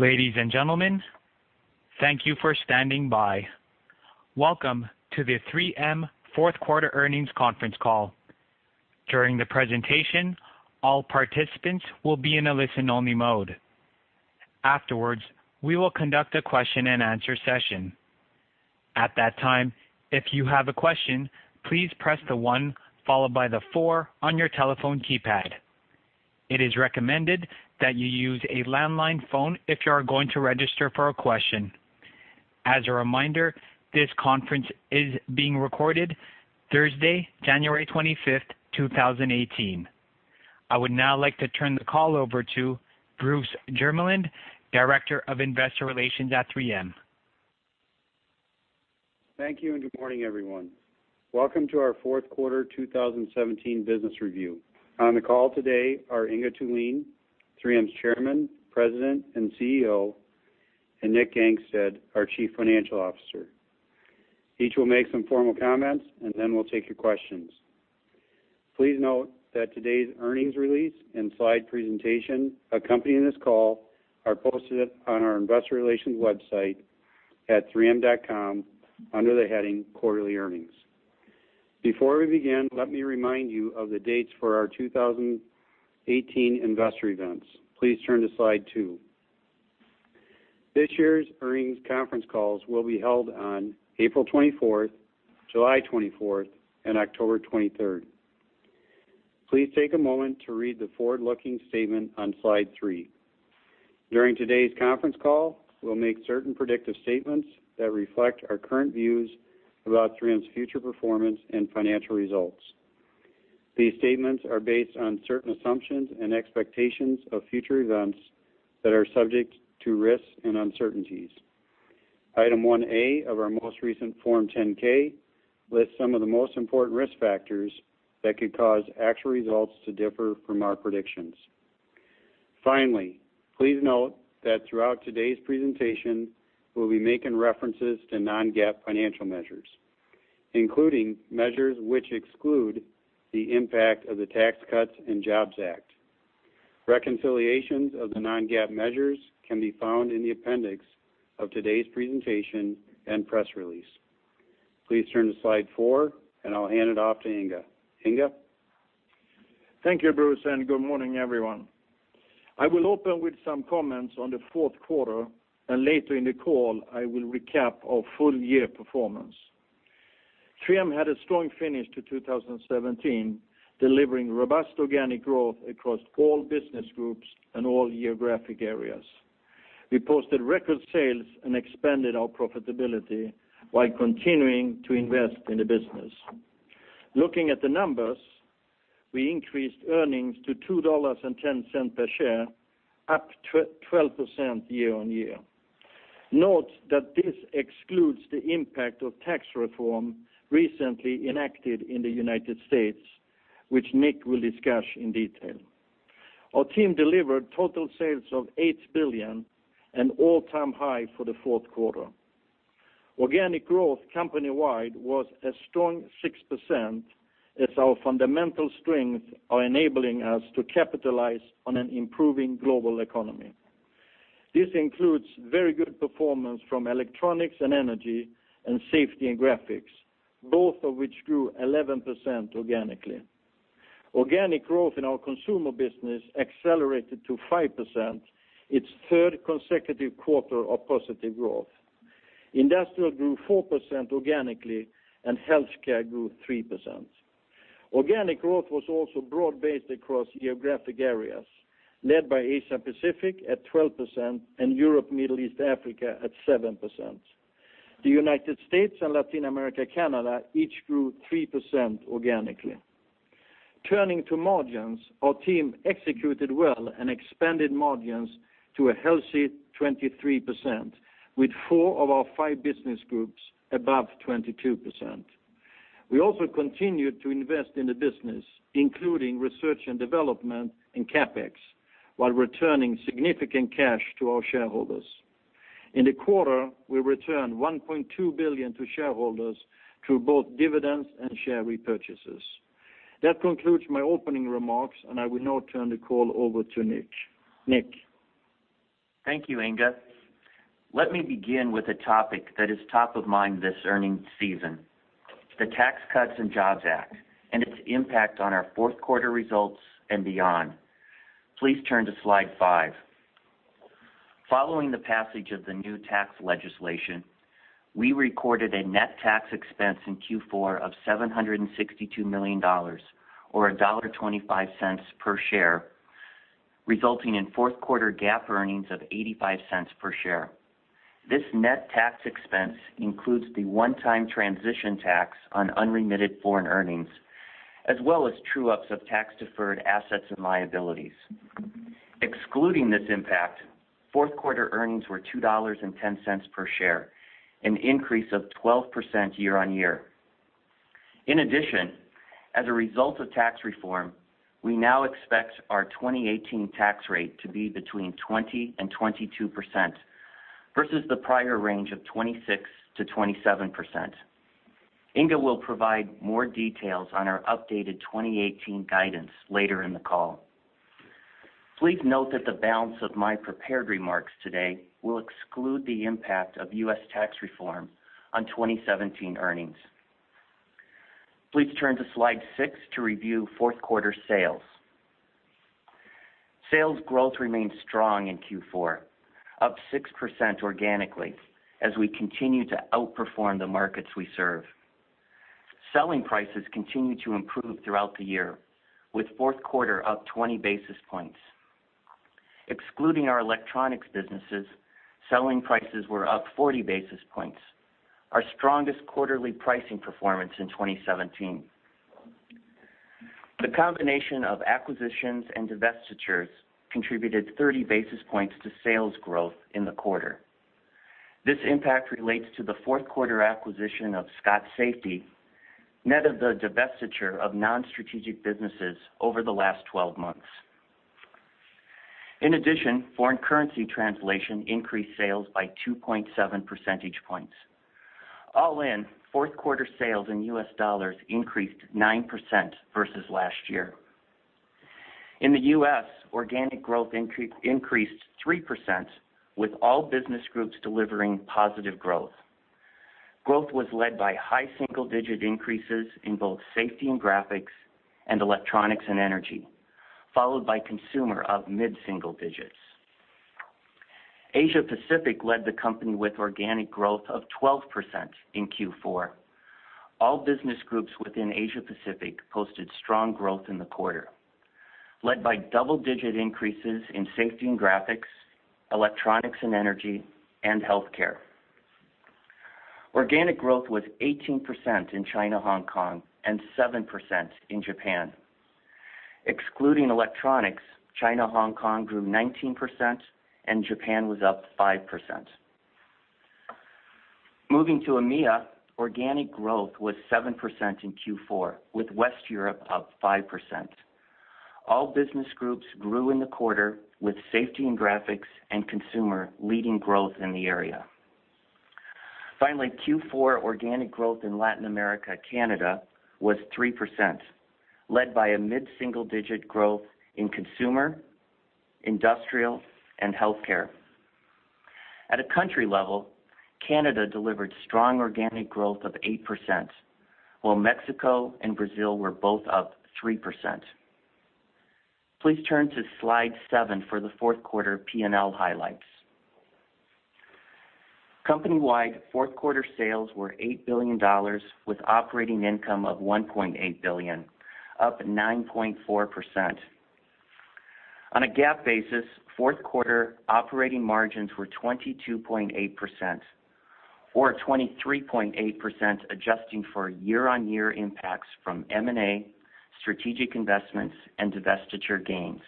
Ladies and gentlemen, thank you for standing by. Welcome to the 3M fourth quarter earnings conference call. During the presentation, all participants will be in a listen-only mode. Afterwards, we will conduct a question-and-answer session. At that time, if you have a question, please press the one followed by the four on your telephone keypad. It is recommended that you use a landline phone if you are going to register for a question. As a reminder, this conference is being recorded Thursday, January 25th, 2018. I would now like to turn the call over to Bruce Jermeland, Director of Investor Relations at 3M. Thank you, and good morning, everyone. Welcome to our fourth quarter 2017 business review. On the call today are Inge Thulin, 3M's Chairman, President, and CEO, and Nick Gangestad, our Chief Financial Officer. Each will make some formal comments, and then we'll take your questions. Please note that today's earnings release and slide presentation accompanying this call are posted on our investor relations website at 3M.com under the heading Quarterly Earnings. Before we begin, let me remind you of the dates for our 2018 investor events. Please turn to slide two. This year's earnings conference calls will be held on April 24th, July 24th, and October 23rd. Please take a moment to read the forward-looking statement on slide three. During today's conference call, we'll make certain predictive statements that reflect our current views about 3M's future performance and financial results. These statements are based on certain assumptions and expectations of future events that are subject to risks and uncertainties. Item 1A of our most recent Form 10-K lists some of the most important risk factors that could cause actual results to differ from our predictions. Finally, please note that throughout today's presentation, we'll be making references to non-GAAP financial measures, including measures which exclude the impact of the Tax Cuts and Jobs Act. Reconciliations of the non-GAAP measures can be found in the appendix of today's presentation and press release. Please turn to slide four. I'll hand it off to Inge. Inge? Thank you, Bruce, and good morning, everyone. I will open with some comments on the fourth quarter, and later in the call, I will recap our full-year performance. 3M had a strong finish to 2017, delivering robust organic growth across all business groups and all geographic areas. We posted record sales and expanded our profitability while continuing to invest in the business. Looking at the numbers, we increased earnings to $2.10 per share, up 12% year-on-year. Note that this excludes the impact of tax reform recently enacted in the U.S., which Nick will discuss in detail. Our team delivered total sales of $8 billion, an all-time high for the fourth quarter. Organic growth company-wide was a strong 6%, as our fundamental strengths are enabling us to capitalize on an improving global economy. This includes very good performance from electronics and energy, and safety and graphics, both of which grew 11% organically. Organic growth in our consumer business accelerated to 5%, its third consecutive quarter of positive growth. Industrial grew 4% organically, and healthcare grew 3%. Organic growth was also broad-based across geographic areas, led by Asia Pacific at 12% and Europe, Middle East, Africa at 7%. The U.S. and Latin America, Canada, each grew 3% organically. Turning to margins, our team executed well and expanded margins to a healthy 23%, with four of our five business groups above 22%. We also continued to invest in the business, including research and development and CapEx, while returning significant cash to our shareholders. In the quarter, we returned $1.2 billion to shareholders through both dividends and share repurchases. That concludes my opening remarks, and I will now turn the call over to Nick. Nick? Thank you, Inge. Let me begin with a topic that is top of mind this earnings season, the Tax Cuts and Jobs Act and its impact on our fourth quarter results and beyond. Please turn to slide five. Following the passage of the new tax legislation, we recorded a net tax expense in Q4 of $762 million, or $1.25 per share, resulting in fourth quarter GAAP earnings of $0.85 per share. This net tax expense includes the one-time transition tax on unremitted foreign earnings, as well as true-ups of tax-deferred assets and liabilities. Excluding this impact, fourth quarter earnings were $2.10 per share, an increase of 12% year-over-year. In addition, as a result of tax reform, we now expect our 2018 tax rate to be between 20% and 22% versus the prior range of 26%-27%. Inge will provide more details on our updated 2018 guidance later in the call. Please note that the balance of my prepared remarks today will exclude the impact of U.S. tax reform on 2017 earnings. Please turn to slide six to review fourth quarter sales. Sales growth remained strong in Q4, up 6% organically as we continue to outperform the markets we serve. Selling prices continued to improve throughout the year, with fourth quarter up 20 basis points. Excluding our electronics businesses, selling prices were up 40 basis points, our strongest quarterly pricing performance in 2017. The combination of acquisitions and divestitures contributed 30 basis points to sales growth in the quarter. This impact relates to the fourth quarter acquisition of Scott Safety, net of the divestiture of non-strategic businesses over the last 12 months. In addition, foreign currency translation increased sales by 2.7 percentage points. All in, fourth quarter sales in U.S. dollars increased 9% versus last year. In the U.S., organic growth increased 3% with all business groups delivering positive growth. Growth was led by high single-digit increases in both safety and graphics, and electronics and energy, followed by consumer up mid-single digits. Asia Pacific led the company with organic growth of 12% in Q4. All business groups within Asia Pacific posted strong growth in the quarter, led by double-digit increases in safety and graphics, electronics and energy, and healthcare. Organic growth was 18% in China, Hong Kong, and 7% in Japan. Excluding electronics, China, Hong Kong grew 19% and Japan was up 5%. Moving to EMEA, organic growth was 7% in Q4 with West Europe up 5%. All business groups grew in the quarter with safety and graphics and consumer leading growth in the area. Finally, Q4 organic growth in Latin America, Canada was 3%, led by a mid-single digit growth in consumer, industrial and healthcare. At a country level, Canada delivered strong organic growth of 8%, while Mexico and Brazil were both up 3%. Please turn to slide seven for the fourth quarter P&L highlights. Company-wide fourth quarter sales were $8 billion with operating income of $1.8 billion, up 9.4%. On a GAAP basis, fourth quarter operating margins were 22.8% or 23.8%, adjusting for year-on-year impacts from M&A, strategic investments and divestiture gains.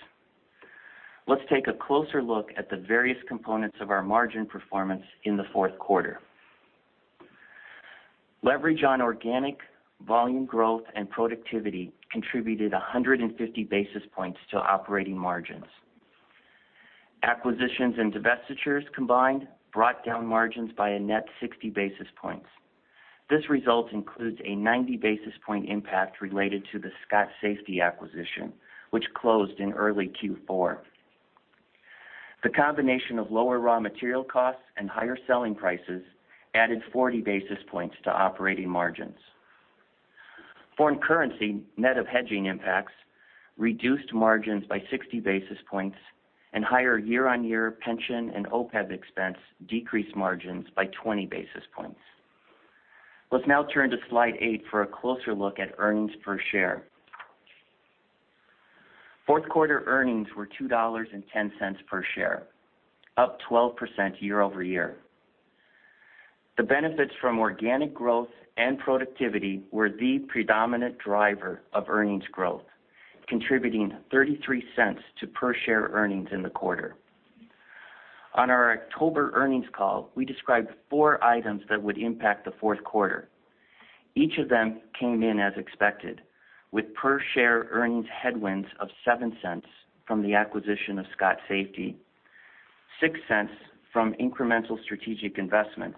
Let's take a closer look at the various components of our margin performance in the fourth quarter. Leverage on organic volume growth and productivity contributed 150 basis points to operating margins. Acquisitions and divestitures combined brought down margins by a net 60 basis points. This result includes a 90 basis point impact related to the Scott Safety acquisition, which closed in early Q4. The combination of lower raw material costs and higher selling prices added 40 basis points to operating margins. Foreign currency, net of hedging impacts, reduced margins by 60 basis points and higher year-on-year pension and OPEB expense decreased margins by 20 basis points. Let's now turn to slide eight for a closer look at earnings per share. Fourth quarter earnings were $2.10 per share, up 12% year-over-year. The benefits from organic growth and productivity were the predominant driver of earnings growth, contributing $0.33 to per share earnings in the quarter. On our October earnings call, we described four items that would impact the fourth quarter. Each of them came in as expected with per share earnings headwinds of $0.07 from the acquisition of Scott Safety, $0.06 from incremental strategic investments,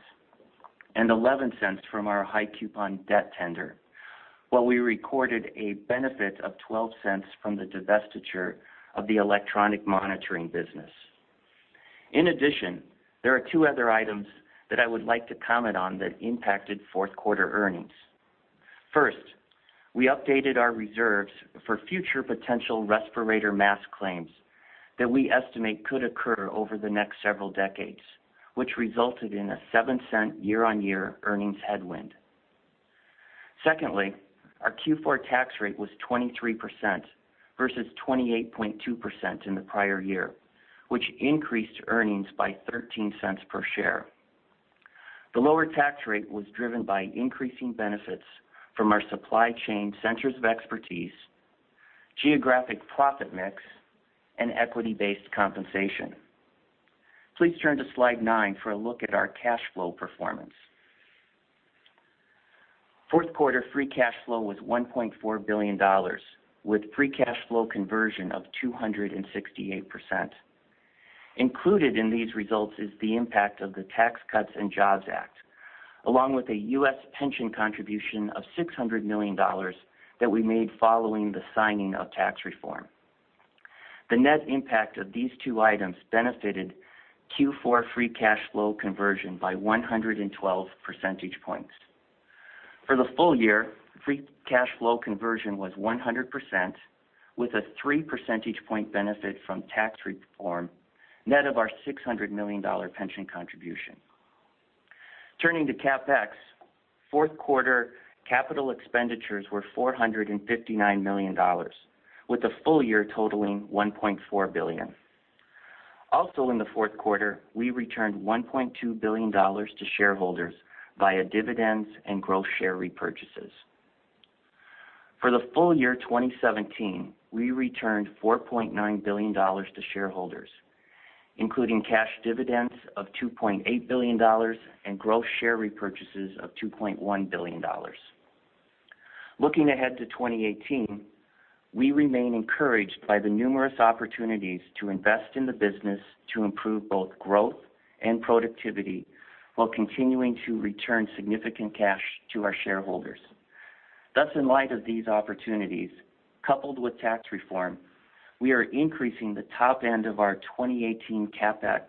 and $0.11 from our high coupon debt tender. While we recorded a benefit of $0.12 from the divestiture of the electronic monitoring business. In addition, there are two other items that I would like to comment on that impacted fourth quarter earnings. First, we updated our reserves for future potential respirator mask claims that we estimate could occur over the next several decades, which resulted in a $0.07 year-on-year earnings headwind. Secondly, our Q4 tax rate was 23% versus 28.2% in the prior year, which increased earnings by $0.13 per share. The lower tax rate was driven by increasing benefits from our supply chain centers of expertise, geographic profit mix, and equity-based compensation. Please turn to slide nine for a look at our cash flow performance. Fourth quarter free cash flow was $1.4 billion, with free cash flow conversion of 268%. Included in these results is the impact of the Tax Cuts and Jobs Act, along with a U.S. pension contribution of $600 million that we made following the signing of tax reform. The net impact of these two items benefited Q4 free cash flow conversion by 112 percentage points. For the full year, free cash flow conversion was 100%, with a three percentage point benefit from tax reform, net of our $600 million pension contribution. Turning to CapEx, fourth quarter capital expenditures were $459 million, with the full year totaling $1.4 billion. Also in the fourth quarter, we returned $1.2 billion to shareholders via dividends and gross share repurchases. For the full year 2017, we returned $4.9 billion to shareholders, including cash dividends of $2.8 billion and gross share repurchases of $2.1 billion. Looking ahead to 2018, we remain encouraged by the numerous opportunities to invest in the business to improve both growth and productivity while continuing to return significant cash to our shareholders. In light of these opportunities, coupled with tax reform, we are increasing the top end of our 2018 CapEx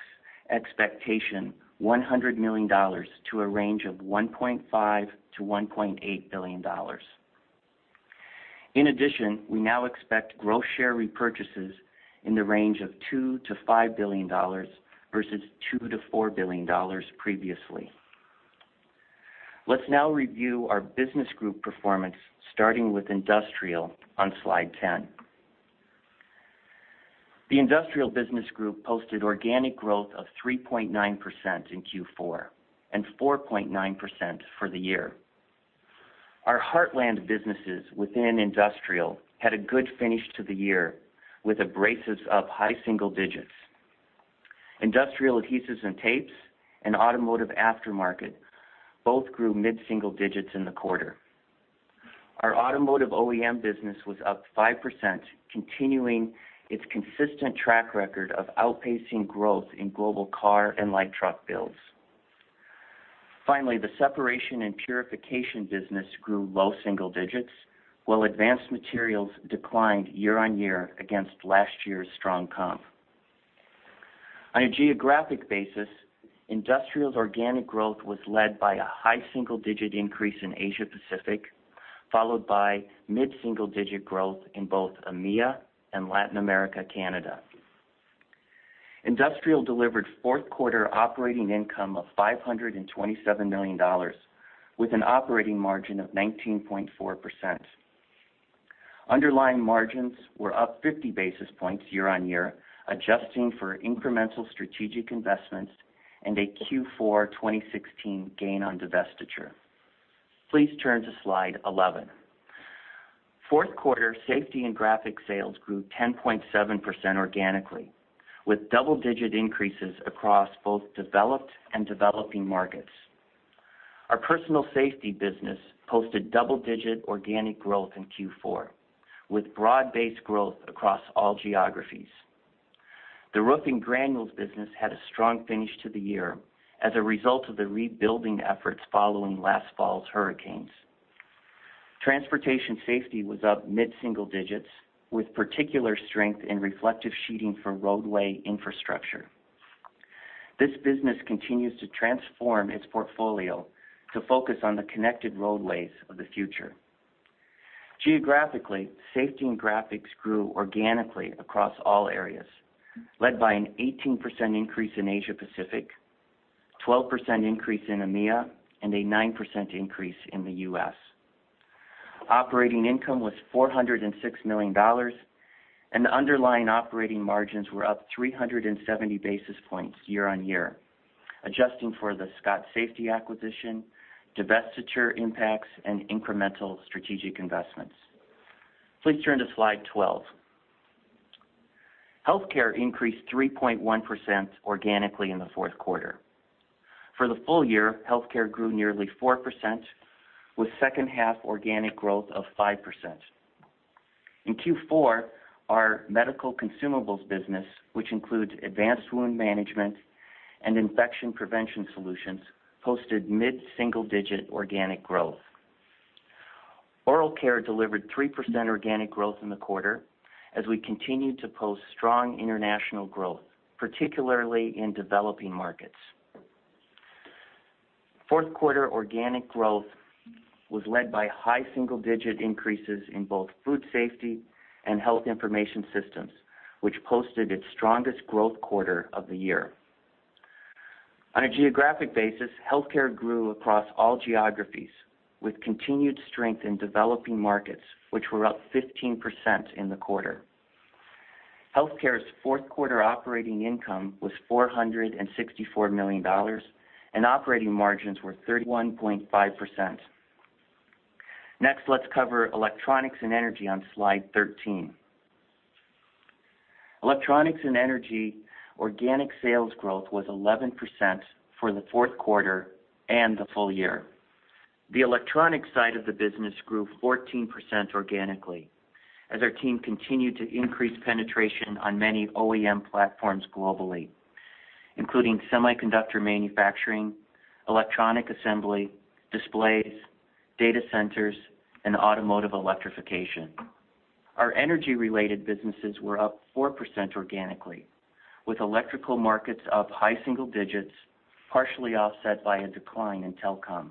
expectation $100 million to a range of $1.5 billion-$1.8 billion. In addition, we now expect gross share repurchases in the range of $2 billion-$5 billion versus $2 billion-$4 billion previously. Let's now review our business group performance, starting with Industrial on slide 10. The Industrial business group posted organic growth of 3.9% in Q4 and 4.9% for the year. Our Heartland businesses within Industrial had a good finish to the year with abrasives up high single digits. Industrial adhesives and tapes and automotive aftermarket both grew mid-single digits in the quarter. Our automotive OEM business was up 5%, continuing its consistent track record of outpacing growth in global car and light truck builds. Finally, the separation and purification business grew low single digits, while advanced materials declined year-on-year against last year's strong comp. On a geographic basis, Industrial's organic growth was led by a high single-digit increase in Asia Pacific, followed by mid-single digit growth in both EMEA and Latin America, Canada. Industrial delivered fourth quarter operating income of $527 million, with an operating margin of 19.4%. Underlying margins were up 50 basis points year-on-year, adjusting for incremental strategic investments and a Q4 2016 gain on divestiture. Please turn to slide 11. Fourth quarter Safety and Graphics sales grew 10.7% organically, with double-digit increases across both developed and developing markets. Our personal safety business posted double-digit organic growth in Q4, with broad-based growth across all geographies. The roofing granules business had a strong finish to the year as a result of the rebuilding efforts following last fall's hurricanes. Transportation Safety was up mid-single digits, with particular strength in reflective sheeting for roadway infrastructure. This business continues to transform its portfolio to focus on the connected roadways of the future. Geographically, Safety and Graphics grew organically across all areas, led by an 18% increase in Asia Pacific, 12% increase in EMEA, and a 9% increase in the U.S. Operating income was $406 million, and underlying operating margins were up 370 basis points year-on-year, adjusting for the Scott Safety acquisition, divestiture impacts, and incremental strategic investments. Please turn to slide 12. Healthcare increased 3.1% organically in the fourth quarter. For the full year, Healthcare grew nearly 4%, with second half organic growth of 5%. In Q4, our medical consumables business, which includes advanced wound management and infection prevention solutions, posted mid-single digit organic growth. Oral Care delivered 3% organic growth in the quarter as we continued to post strong international growth, particularly in developing markets. Fourth quarter organic growth was led by high single-digit increases in both Food Safety and Health Information Systems, which posted its strongest growth quarter of the year. On a geographic basis, Healthcare grew across all geographies with continued strength in developing markets, which were up 15% in the quarter. Healthcare's fourth quarter operating income was $464 million and operating margins were 31.5%. Next, let's cover Electronics and Energy on slide 13. Electronics and energy organic sales growth was 11% for the fourth quarter and the full year. The electronic side of the business grew 14% organically as our team continued to increase penetration on many OEM platforms globally, including semiconductor manufacturing, electronic assembly, displays, data centers, and automotive electrification. Our energy-related businesses were up 4% organically, with electrical markets up high single digits, partially offset by a decline in telecom.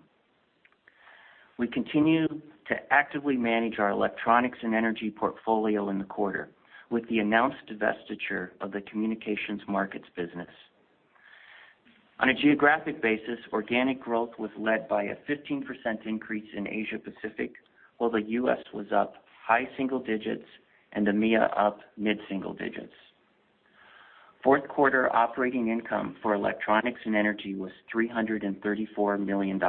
We continue to actively manage our electronics and energy portfolio in the quarter with the announced divestiture of the communications markets business. On a geographic basis, organic growth was led by a 15% increase in Asia Pacific, while the U.S. was up high single digits and EMEA up mid-single digits. Fourth quarter operating income for electronics and energy was $334 million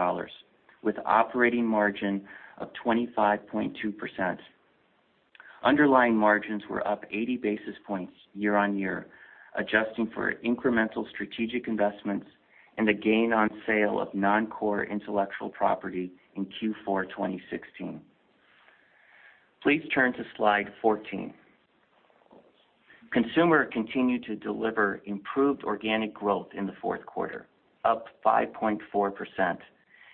with operating margin of 25.2%. Underlying margins were up 80 basis points year-on-year, adjusting for incremental strategic investments and a gain on sale of non-core intellectual property in Q4 2016. Please turn to slide 14. Consumer continued to deliver improved organic growth in the fourth quarter, up 5.4%,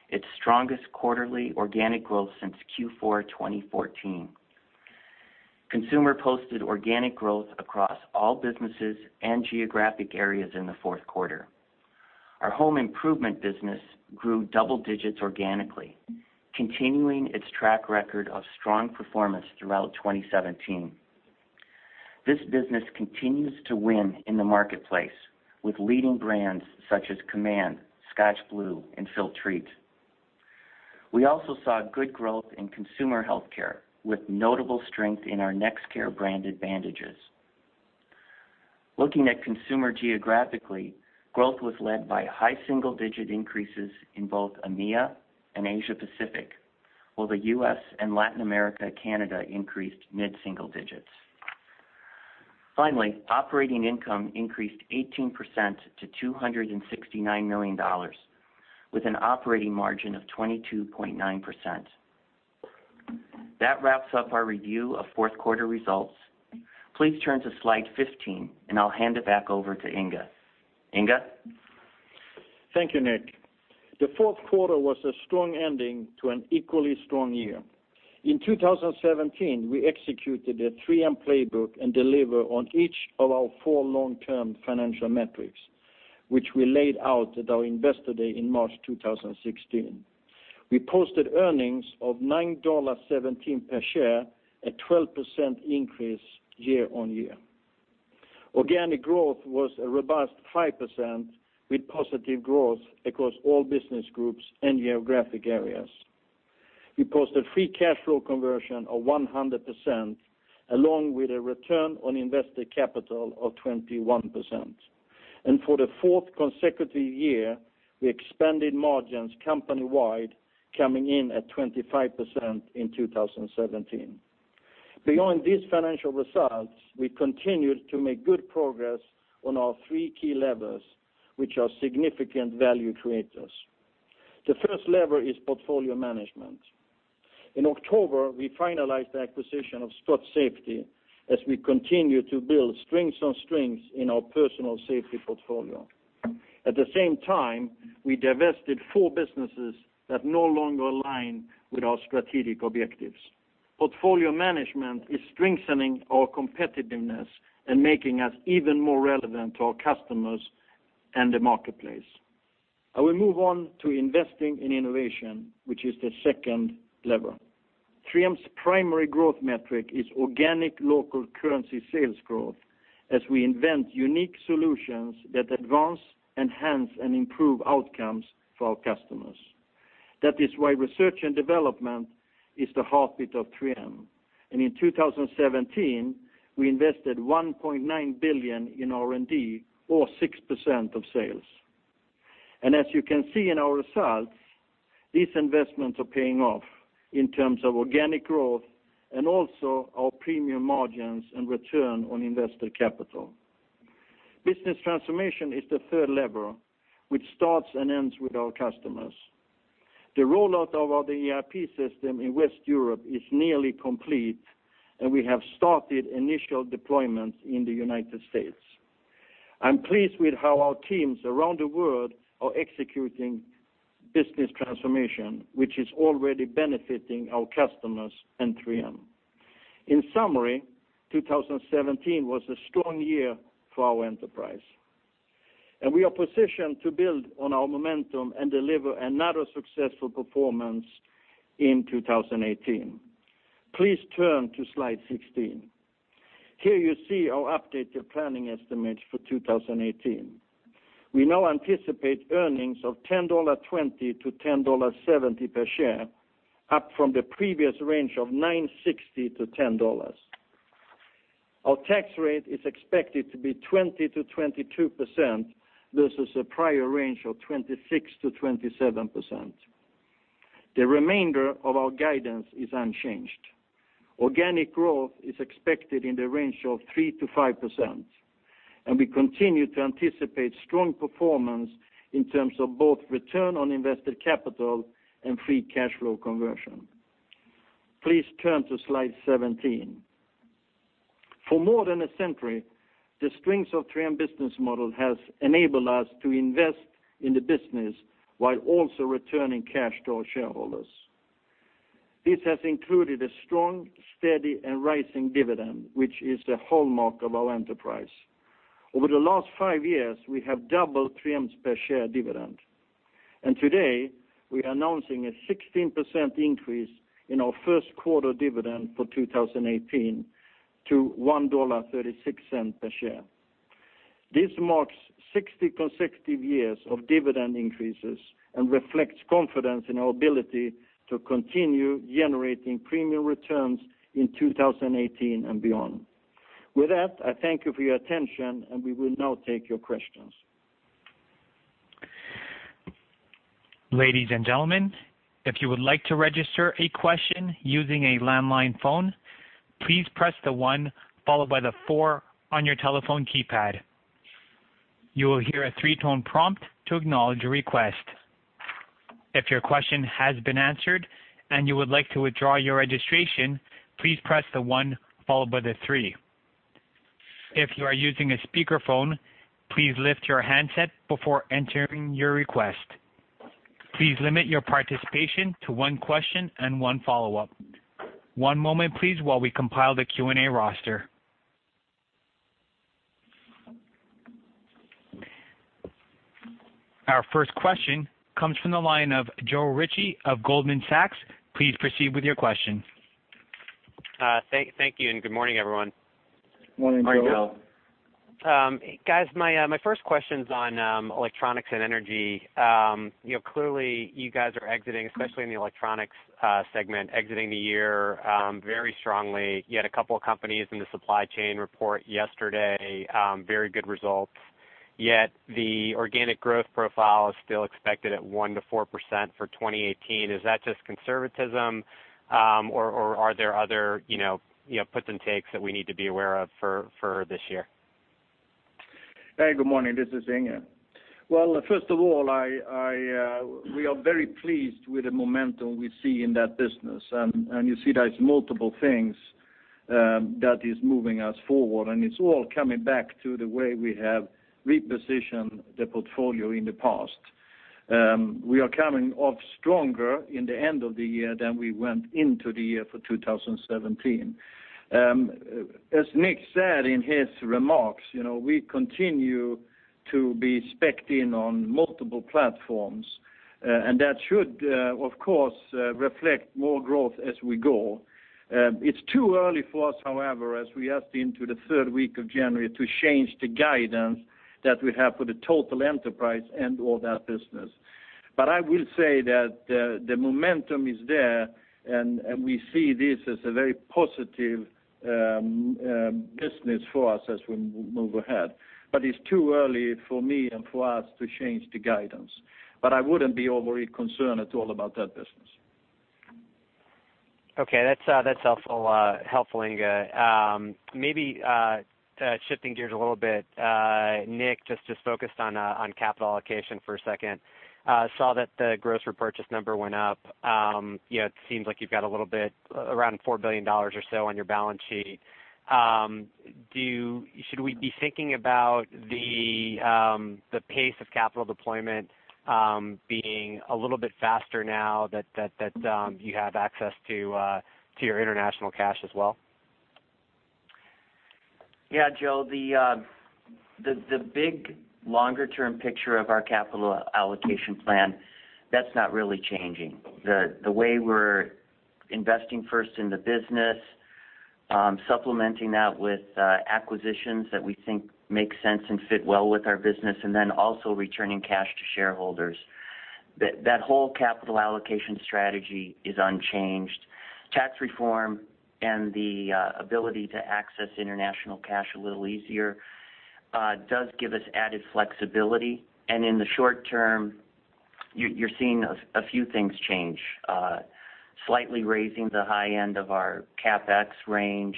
its strongest quarterly organic growth since Q4 2014. Consumer posted organic growth across all businesses and geographic areas in the fourth quarter. Our home improvement business grew double digits organically, continuing its track record of strong performance throughout 2017. This business continues to win in the marketplace with leading brands such as Command, Scotch-Brite, and Filtrete. We also saw good growth in consumer healthcare with notable strength in our Nexcare branded bandages. Looking at consumer geographically, growth was led by high single-digit increases in both EMEA and Asia Pacific, while the U.S. and Latin America, Canada increased mid-single digits. Finally, operating income increased 18% to $269 million with an operating margin of 22.9%. That wraps up our review of fourth quarter results. Please turn to slide 15 and I'll hand it back over to Inge. Inge? Thank you, Nick. The fourth quarter was a strong ending to an equally strong year. In 2017, we executed the 3M playbook and delivered on each of our four long-term financial metrics, which we laid out at our Investor Day in March 2016. We posted earnings of $9.17 per share, a 12% increase year-on-year. Organic growth was a robust 5% with positive growth across all business groups and geographic areas. We posted free cash flow conversion of 100%, along with a return on invested capital of 21%. For the fourth consecutive year, we expanded margins company-wide coming in at 25% in 2017. Beyond these financial results, we continued to make good progress on our three key levers, which are significant value creators. The first lever is portfolio management. In October, we finalized the acquisition of Scott Safety as we continue to build strengths on strengths in our personal safety portfolio. At the same time, we divested four businesses that no longer align with our strategic objectives. Portfolio management is strengthening our competitiveness and making us even more relevant to our customers and the marketplace. I will move on to investing in innovation, which is the second lever. 3M's primary growth metric is organic local currency sales growth as we invent unique solutions that advance, enhance, and improve outcomes for our customers. That is why research and development is the heartbeat of 3M and in 2017, we invested $1.9 billion in R&D or 6% of sales. As you can see in our results, these investments are paying off in terms of organic growth and also our premium margins and return on invested capital. Business transformation is the third lever, which starts and ends with our customers. The rollout of our ERP system in West Europe is nearly complete, we have started initial deployments in the U.S. I'm pleased with how our teams around the world are executing business transformation, which is already benefiting our customers and 3M. In summary, 2017 was a strong year for our enterprise, we are positioned to build on our momentum and deliver another successful performance in 2018. Please turn to slide 16. Here you see our updated planning estimates for 2018. We now anticipate earnings of $10.20 to $10.70 per share, up from the previous range of $9.60 to $10. Our tax rate is expected to be 20%-22%, versus a prior range of 26%-27%. The remainder of our guidance is unchanged. Organic growth is expected in the range of 3%-5%, we continue to anticipate strong performance in terms of both return on invested capital and free cash flow conversion. Please turn to slide 17. For more than a century, the strengths of 3M business model has enabled us to invest in the business while also returning cash to our shareholders. This has included a strong, steady, and rising dividend, which is the hallmark of our enterprise. Over the last five years, we have doubled 3M's per share dividend, and today we are announcing a 16% increase in our first quarter dividend for 2018 to $1.36 per share. This marks 60 consecutive years of dividend increases and reflects confidence in our ability to continue generating premium returns in 2018 and beyond. With that, I thank you for your attention, we will now take your questions. Ladies and gentlemen, if you would like to register a question using a landline phone, please press the one followed by the four on your telephone keypad. You will hear a three-tone prompt to acknowledge your request. If your question has been answered and you would like to withdraw your registration, please press the one followed by the three. If you are using a speakerphone, please lift your handset before entering your request. Please limit your participation to one question and one follow-up. One moment, please, while we compile the Q&A roster. Our first question comes from the line of Joe Ritchie of Goldman Sachs. Please proceed with your question. Thank you. Good morning, everyone. Morning, Joe. Guys, my first question's on Electronics and Energy. Clearly you guys are exiting, especially in the Electronics segment, exiting the year very strongly. You had a couple of companies in the supply chain report yesterday, very good results, yet the organic growth profile is still expected at 1% to 4% for 2018. Is that just conservatism, or are there other puts and takes that we need to be aware of for this year? Hey, good morning. This is Inge. Well, first of all, we are very pleased with the momentum we see in that business. You see there's multiple things that is moving us forward, it's all coming back to the way we have repositioned the portfolio in the past. We are coming off stronger in the end of the year than we went into the year for 2017. As Nick said in his remarks, we continue to be specced in on multiple platforms. That should, of course, reflect more growth as we go. It's too early for us, however, as we ask into the third week of January to change the guidance that we have for the total enterprise and/or that business. I will say that the momentum is there, we see this as a very positive business for us as we move ahead. It's too early for me and for us to change the guidance, but I wouldn't be overly concerned at all about that business. Okay. That's helpful, Inge. Maybe shifting gears a little bit, Nick, just to focus on capital allocation for a second. Saw that the gross repurchase number went up. It seems like you've got a little bit, around $4 billion or so on your balance sheet. Should we be thinking about the pace of capital deployment being a little bit faster now that you have access to your international cash as well? Yeah, Joe, the big longer-term picture of our capital allocation plan, that's not really changing. The way we're investing first in the business, supplementing that with acquisitions that we think make sense and fit well with our business, and then also returning cash to shareholders. That whole capital allocation strategy is unchanged. Tax Reform and the ability to access international cash a little easier does give us added flexibility, and in the short term, you're seeing a few things change. Slightly raising the high end of our CapEx range,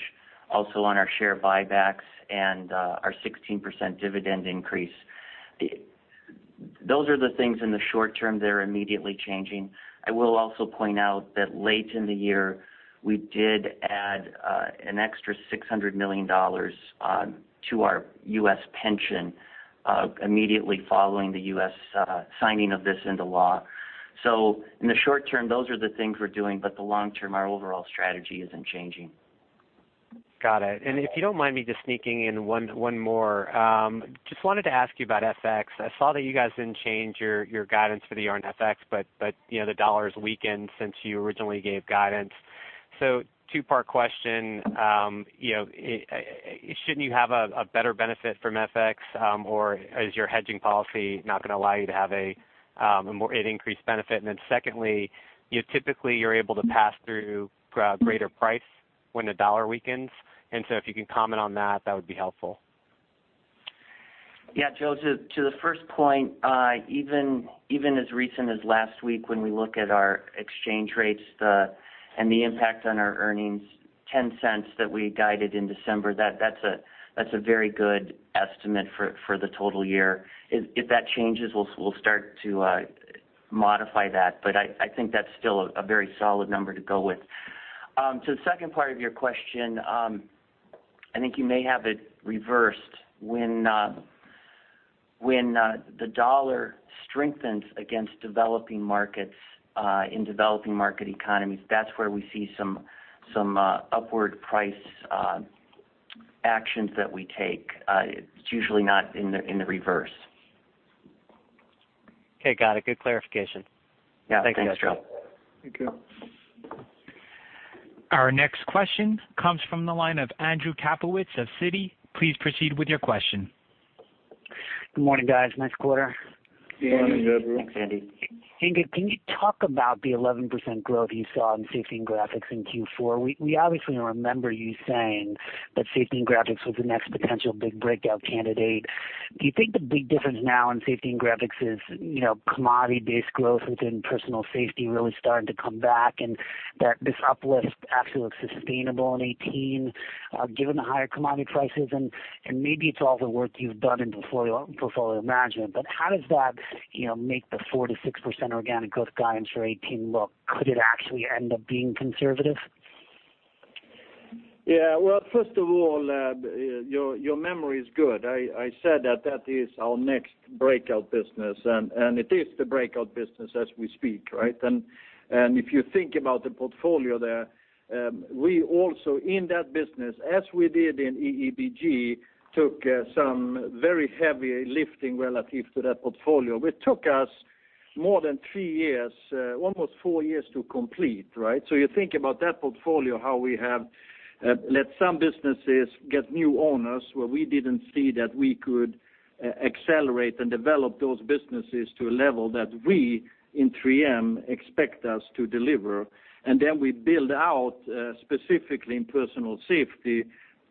also on our share buybacks and our 16% dividend increase. Those are the things in the short term that are immediately changing. I will also point out that late in the year, we did add an extra $600 million to our U.S. pension immediately following the U.S. signing of this into law. In the short term, those are the things we're doing, but the long term, our overall strategy isn't changing. Got it. If you don't mind me just sneaking in one more. Just wanted to ask you about FX. I saw that you guys didn't change your guidance for the year on FX, but the dollar has weakened since you originally gave guidance. Two-part question. Shouldn't you have a better benefit from FX, or is your hedging policy not going to allow you to have an increased benefit? Secondly, typically you're able to pass through greater price when the dollar weakens, so if you can comment on that would be helpful. Yeah, Joe, to the first point, even as recent as last week, when we look at our exchange rates and the impact on our earnings, $0.10 that we guided in December, that's a very good estimate for the total year. If that changes, we'll start to modify that, but I think that's still a very solid number to go with. To the second part of your question, I think you may have it reversed. When the dollar strengthens against developing markets in developing market economies, that's where we see some upward price actions that we take. It's usually not in the reverse. Okay. Got it. Good clarification. Yeah. Thanks, Joe. Thank you, guys. Thank you. Our next question comes from the line of Andrew Kaplowitz of Citi. Please proceed with your question. Good morning, guys. Nice quarter. Good morning, Andrew. Thanks, Andy. Inge, can you talk about the 11% growth you saw in Safety and Graphics in Q4? We obviously remember you saying that Safety and Graphics was the next potential big breakout candidate. Do you think the big difference now in Safety and Graphics is commodity-based growth within personal safety really starting to come back, and that this uplift actually looks sustainable in 2018, given the higher commodity prices? Maybe it's all the work you've done in portfolio management, but how does that make the 4%-6% organic growth guidance for 2018 look? Could it actually end up being conservative? Well, first of all, your memory is good. I said that that is our next breakout business, and it is the breakout business as we speak, right? If you think about the portfolio there, we also, in that business, as we did in EEBG, took some very heavy lifting relative to that portfolio, which took us more than three years, almost four years to complete. You think about that portfolio, how we have let some businesses get new owners where we didn't see that we could accelerate and develop those businesses to a level that we, in 3M, expect us to deliver. Then we build out, specifically in personal safety,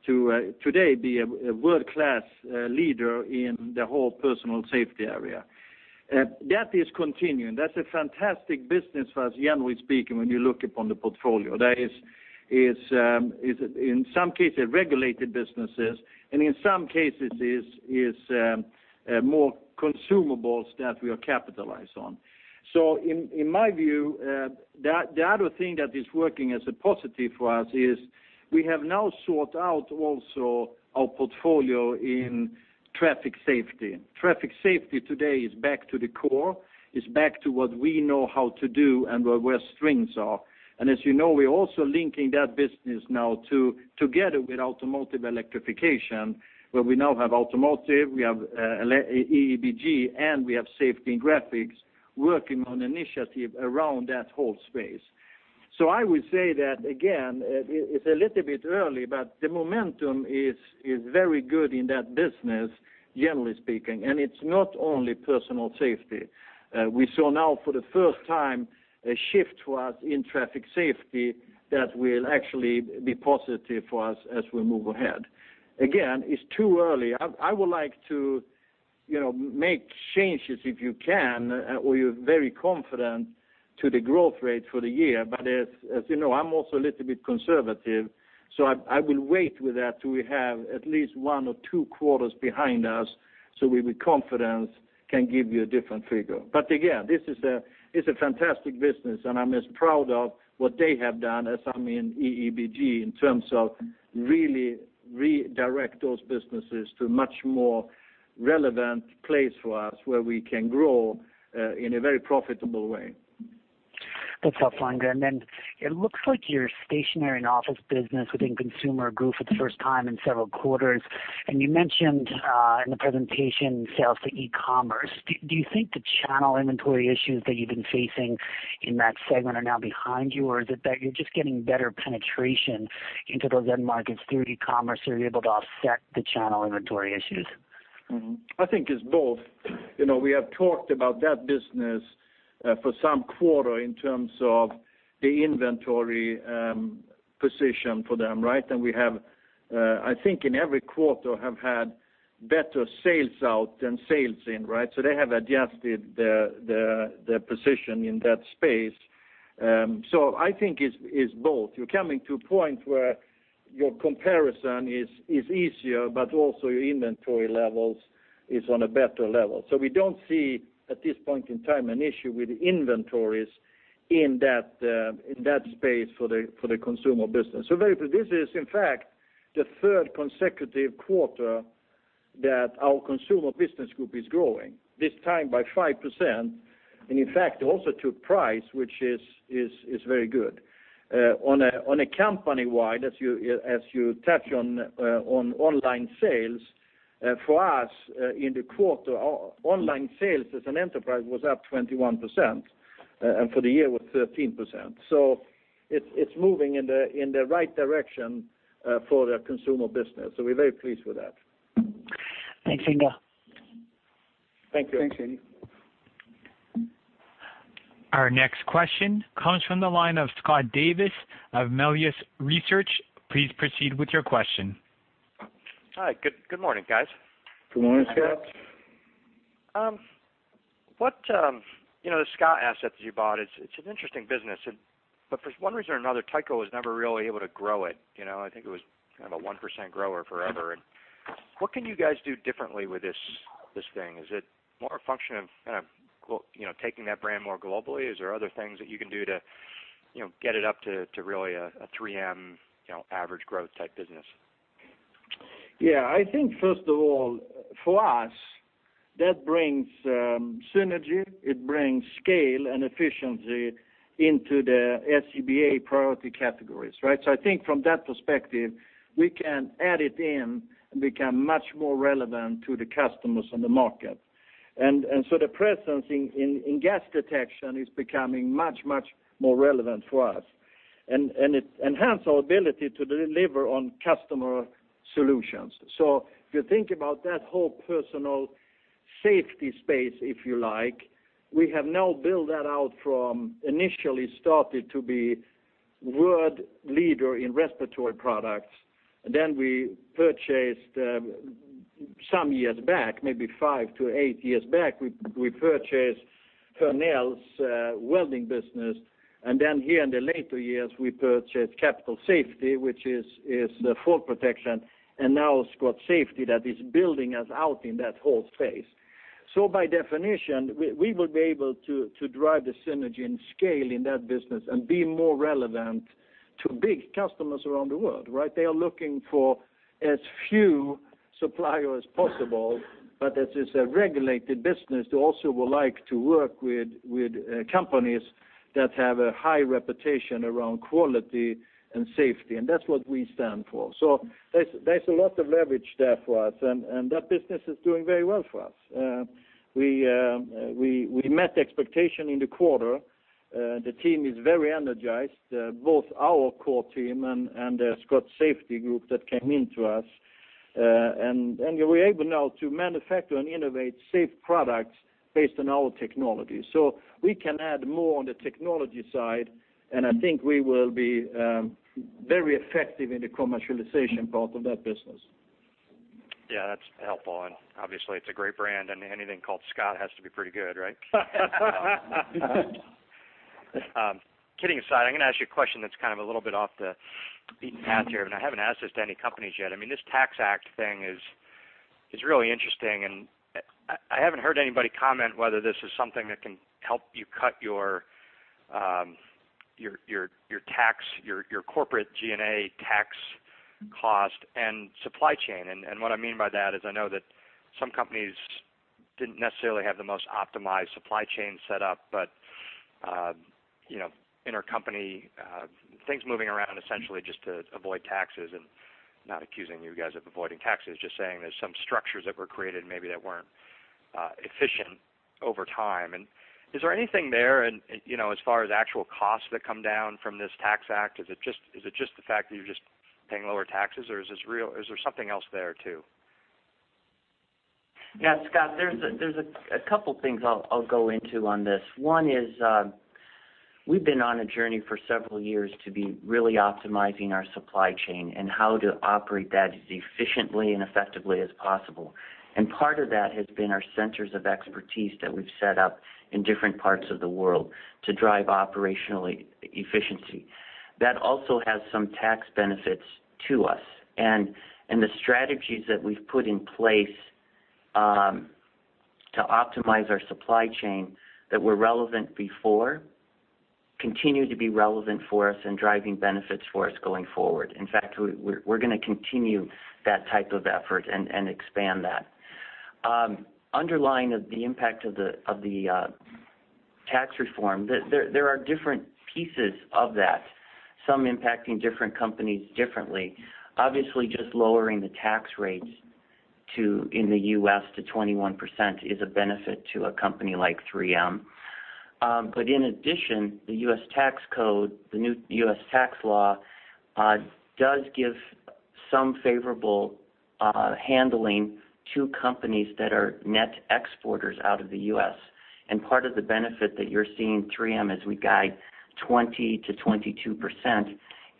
to today be a world-class leader in the whole personal safety area. That is continuing. That's a fantastic business for us, generally speaking, when you look upon the portfolio. That is, in some cases, regulated businesses, and in some cases is more consumables that we are capitalized on. In my view, the other thing that is working as a positive for us is we have now sought out also our portfolio in traffic safety. Traffic safety today is back to the core, is back to what we know how to do and where strengths are. As you know, we're also linking that business now together with automotive electrification, where we now have automotive, we have EEBG, and we have Safety and Graphics working on initiative around that whole space. I would say that, again, it's a little bit early, but the momentum is very good in that business, generally speaking, and it's not only personal safety. We saw now, for the first time, a shift to us in traffic safety that will actually be positive for us as we move ahead. Again, it's too early. I would like to make changes if you can, or you're very confident to the growth rate for the year. As you know, I'm also a little bit conservative, I will wait with that till we have at least one or two quarters behind us, we, with confidence, can give you a different figure. Again, this is a fantastic business, and I'm as proud of what they have done as I am in EEBG in terms of really redirect those businesses to a much more relevant place for us where we can grow in a very profitable way. That's helpful, Inge. It looks like your Stationery and Office business within Consumer grew for the first time in several quarters, and you mentioned in the presentation sales to e-commerce. Do you think the channel inventory issues that you've been facing in that segment are now behind you, or is it that you're just getting better penetration into those end markets through e-commerce, you're able to offset the channel inventory issues? I think it's both. We have talked about that business for some quarter in terms of the inventory position for them. We have, I think, in every quarter have had better sales out than sales in. They have adjusted their position in that space. I think it's both. You're coming to a point where your comparison is easier, but also your inventory levels is on a better level. We don't see, at this point in time, an issue with inventories in that space for the Consumer business. This is, in fact, the third consecutive quarter that our Consumer business group is growing, this time by 5%, and in fact, it also took price, which is very good. On a company-wide, as you touch on online sales, for us in the quarter, our online sales as an enterprise was up 21%, and for the year was 13%. It's moving in the right direction for the Consumer business, so we're very pleased with that. Thanks, Inge. Thank you. Thanks, Andy. Our next question comes from the line of Scott Davis of Melius Research. Please proceed with your question. Hi. Good morning, guys. Good morning, Scott. The Scott assets that you bought, it's an interesting business. For one reason or another, Tyco was never really able to grow it. I think it was kind of a 1% grower forever. What can you guys do differently with this thing? Is it more a function of taking that brand more globally? Is there other things that you can do to get it up to really a 3M average growth type business? Yeah. I think, first of all, for us, that brings synergy. It brings scale and efficiency into the SCBA priority categories, right? I think from that perspective, we can add it in and become much more relevant to the customers in the market. The presence in gas detection is becoming much, much more relevant for us, and it enhances our ability to deliver on customer solutions. If you think about that whole personal safety space, if you like, we have now built that out from initially started to be world leader in respiratory products. Then we purchased, some years back, maybe five to eight years back, we purchased Hornell welding business. Then here in the later years, we purchased Capital Safety, which is the fall protection, and now Scott Safety that is building us out in that whole space. By definition, we will be able to drive the synergy and scale in that business and be more relevant to big customers around the world, right? They are looking for as few suppliers as possible, but as it's a regulated business, they also would like to work with companies that have a high reputation around quality and safety, and that's what we stand for. There's a lot of leverage there for us, and that business is doing very well for us. We met the expectation in the quarter. The team is very energized, both our core team and the Scott Safety group that came into us. We're able now to manufacture and innovate safe products based on our technology. We can add more on the technology side, and I think we will be very effective in the commercialization part of that business. Yeah, that's helpful, obviously it's a great brand, anything called Scott has to be pretty good, right? Kidding aside, I'm going to ask you a question that's kind of a little bit off the beaten path here, I haven't asked this to any companies yet. This Tax Act thing is really interesting, I haven't heard anybody comment whether this is something that can help you cut your corporate G&A tax cost and supply chain. What I mean by that is I know that some companies didn't necessarily have the most optimized supply chain set up, intercompany things moving around essentially just to avoid taxes, not accusing you guys of avoiding taxes, just saying there's some structures that were created maybe that weren't efficient over time. Is there anything there and as far as actual costs that come down from this Tax Act? Is it just the fact that you're just paying lower taxes, or is there something else there, too? Yeah, Scott, there are a couple things I'll go into on this. One is, we've been on a journey for several years to be really optimizing our supply chain and how to operate that as efficiently and effectively as possible. Part of that has been our centers of expertise that we've set up in different parts of the world to drive operational efficiency. That also has some tax benefits to us. The strategies that we've put in place to optimize our supply chain that were relevant before, continue to be relevant for us and driving benefits for us going forward. In fact, we're going to continue that type of effort and expand that. Underlying of the impact of the tax reform, there are different pieces of that. Some impacting different companies differently. Obviously, just lowering the tax rates in the U.S. to 21% is a benefit to a company like 3M. In addition, the new U.S. tax law does give some favorable handling to companies that are net exporters out of the U.S. Part of the benefit that you're seeing 3M as we guide 20%-22%,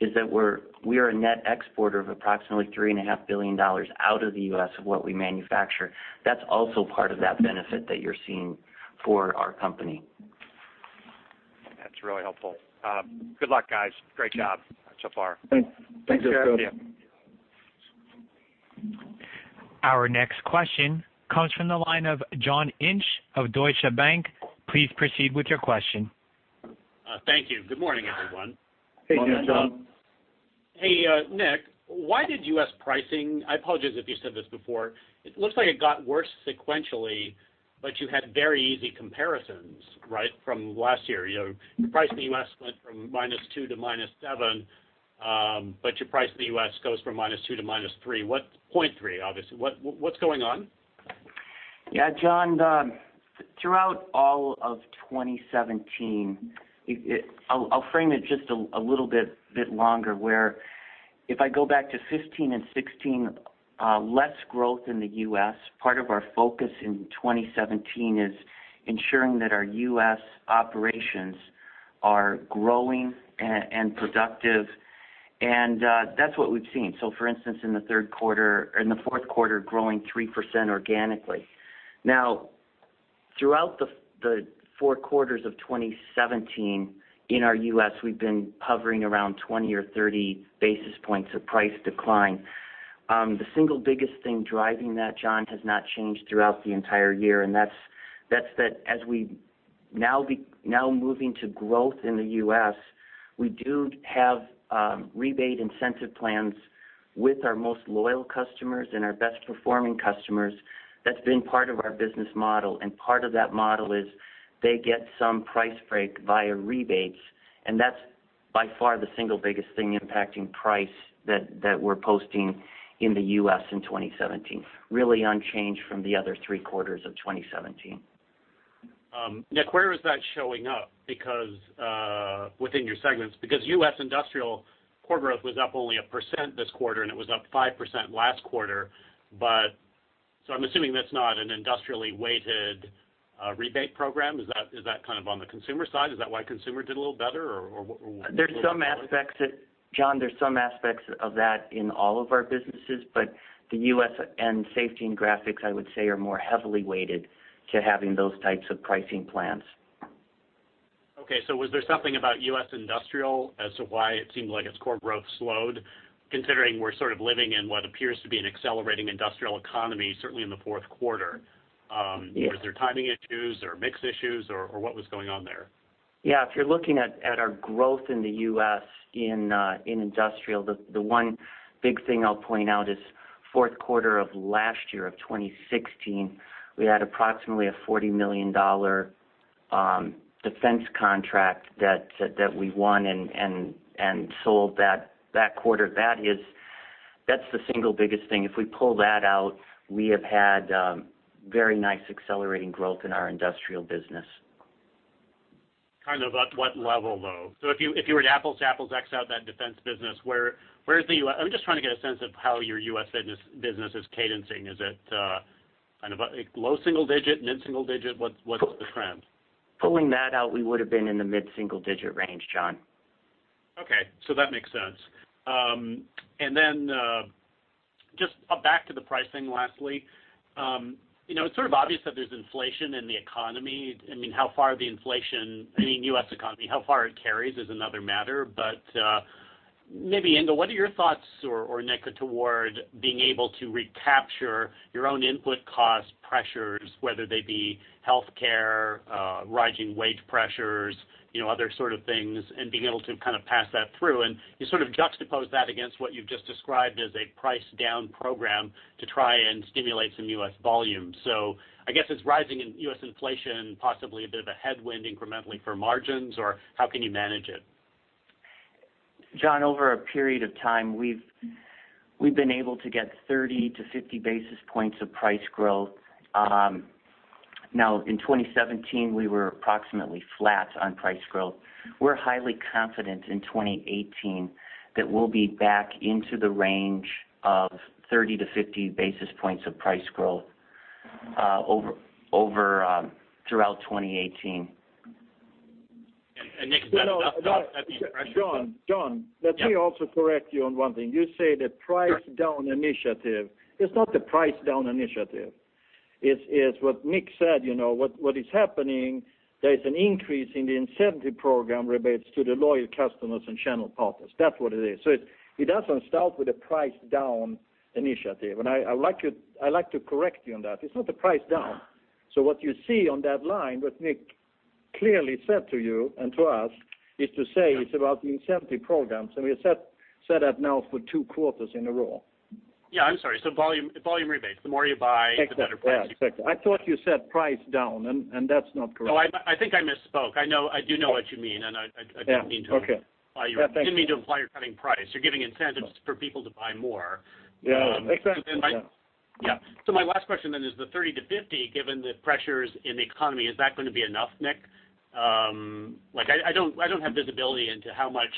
is that we are a net exporter of approximately $3.5 billion out of the U.S. of what we manufacture. That's also part of that benefit that you're seeing for our company. That's really helpful. Good luck, guys. Great job so far. Thanks. Thanks, Scott. Thanks. Our next question comes from the line of John Inch of Deutsche Bank. Please proceed with your question. Thank you. Good morning, everyone. Good morning, John. Good morning. Hey, Nick, why did U.S. pricing? I apologize if you said this before. It looks like it got worse sequentially, you had very easy comparisons, right, from last year. Your price in the U.S. went from -2% to -7%, but your price in the U.S. goes from -2% to -3%. What 0.3, obviously? What's going on? Yeah, John, throughout all of 2017, I'll frame it just a little bit longer where if I go back to 2015 and 2016, less growth in the U.S. Part of our focus in 2017 is ensuring that our U.S. operations are growing and productive. That's what we've seen. For instance, in the fourth quarter, growing 3% organically. Throughout the four quarters of 2017 in our U.S., we've been hovering around 20 or 30 basis points of price decline. The single biggest thing driving that, John, has not changed throughout the entire year, and that's that as we now moving to growth in the U.S., we do have rebate incentive plans with our most loyal customers and our best-performing customers. That's been part of our business model, and part of that model is they get some price break via rebates, and that's by far the single biggest thing impacting price that we're posting in the U.S. in 2017. Really unchanged from the other three quarters of 2017. Nick, where is that showing up within your segments? U.S. Industrial core growth was up only 1% this quarter, and it was up 5% last quarter. I'm assuming that's not an industrially weighted rebate program. Is that kind of on the consumer side? Is that why consumer did a little better? Or what? John, there's some aspects of that in all of our businesses, but the U.S. Safety and Graphics, I would say, are more heavily weighted to having those types of pricing plans. Okay. Was there something about U.S. Industrial as to why it seemed like its core growth slowed? Considering we're sort of living in what appears to be an accelerating industrial economy, certainly in the fourth quarter. Yeah. Was there timing issues or mix issues, or what was going on there? Yeah. If you're looking at our growth in the U.S. in Industrial, the one big thing I'll point out is fourth quarter of last year, of 2016, we had approximately a $40 million defense contract that we won and sold that quarter. That's the single biggest thing. If we pull that out, we have had very nice accelerating growth in our Industrial business. Kind of at what level, though? If you were to apples to apples, X out that defense business, where is the U.S. I'm just trying to get a sense of how your U.S. business is cadencing. Is it kind of low single digit, mid single digit? What's the trend? Pulling that out, we would've been in the mid single digit range, John. Okay. That makes sense. Just back to the pricing lastly. It's sort of obvious that there's inflation in the economy. How far the inflation in U.S. economy, how far it carries is another matter. Maybe, Inge Thulin, what are your thoughts, or Nick, toward being able to recapture your own input cost pressures, whether they be healthcare, rising wage pressures, other sort of things, and being able to kind of pass that through. You sort of juxtapose that against what you've just described as a price down program to try and stimulate some U.S. volume. I guess it's rising in U.S. inflation, possibly a bit of a headwind incrementally for margins, or how can you manage it? John, over a period of time, we've been able to get 30 to 50 basis points of price growth. Now, in 2017, we were approximately flat on price growth. We're highly confident in 2018 that we'll be back into the range of 30 to 50 basis points of price growth throughout 2018. Nick, is that enough? John. Yeah. Let me also correct you on one thing. You say the price down initiative. It's not the price down initiative. It's what Nick said. What is happening, there is an increase in the incentive program rebates to the loyal customers and channel partners. That's what it is. It doesn't start with a price down initiative. I like to correct you on that. It's not the price down. What you see on that line, what Nick clearly said to you and to us, is to say it's about the incentive programs. We set that now for two quarters in a row. Yeah, I'm sorry. Volume rebates. Exactly the better price. Yeah, exactly. I thought you said price down. That's not correct. Oh, I think I misspoke. I do know what you mean. I didn't mean to. Yeah. Okay. imply you're cutting price. You're giving incentives for people to buy more. Yeah. Exactly, yeah. Yeah. My last question then is the 30-50, given the pressures in the economy, is that going to be enough, Nick? I don't have visibility into how much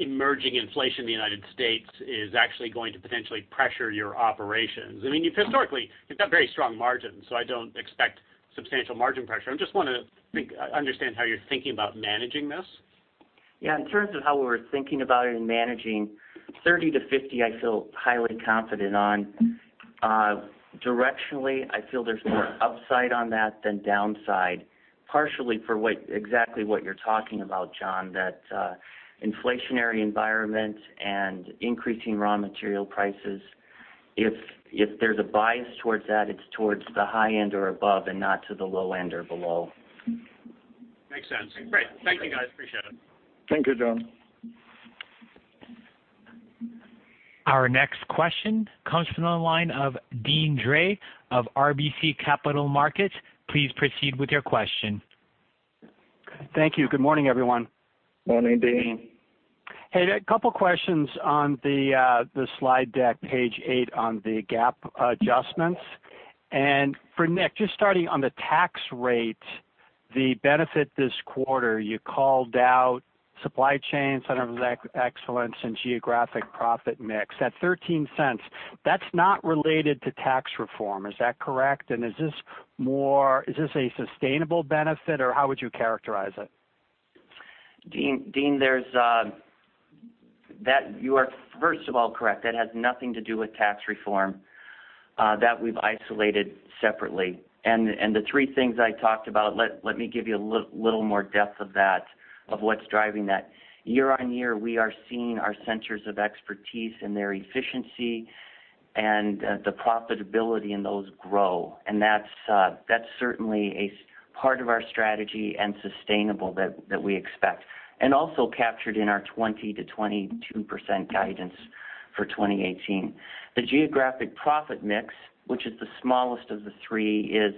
emerging inflation in the United States is actually going to potentially pressure your operations. I mean, historically, you've got very strong margins, so I don't expect substantial margin pressure. I just want to understand how you're thinking about managing this. Yeah. In terms of how we're thinking about it and managing, 30-50, I feel highly confident on. Directionally, I feel there's more upside on that than downside. Partially for exactly what you're talking about, John, that inflationary environment and increasing raw material prices. If there's a bias towards that, it's towards the high end or above and not to the low end or below. Makes sense. Great. Thank you guys. Appreciate it. Thank you, John. Our next question comes from the line of Deane Dray of RBC Capital Markets. Please proceed with your question. Thank you. Good morning, everyone. Morning, Deane. Hey, there. A couple questions on the slide deck, page eight on the GAAP adjustments. For Nick, just starting on the tax rate, the benefit this quarter, you called out supply chain, center of excellence, and geographic profit mix. That $0.13, that's not related to tax reform, is that correct? Is this a sustainable benefit or how would you characterize it? Deane, you are first of all correct. That has nothing to do with tax reform. That we've isolated separately. The three things I talked about, let me give you a little more depth of what's driving that. Year-on-year, we are seeing our centers of expertise and their efficiency and the profitability in those grow, and that's certainly a part of our strategy and sustainable that we expect, and also captured in our 20%-22% guidance for 2018. The geographic profit mix, which is the smallest of the three, is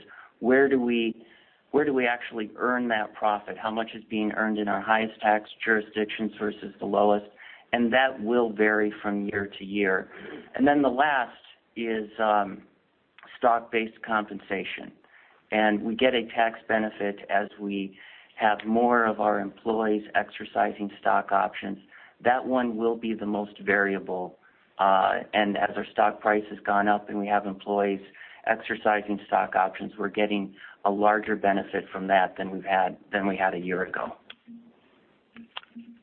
where do we actually earn that profit? How much is being earned in our highest tax jurisdictions versus the lowest? That will vary from year to year. The last is stock-based compensation, and we get a tax benefit as we have more of our employees exercising stock options. That one will be the most variable. As our stock price has gone up and we have employees exercising stock options, we're getting a larger benefit from that than we had a year ago.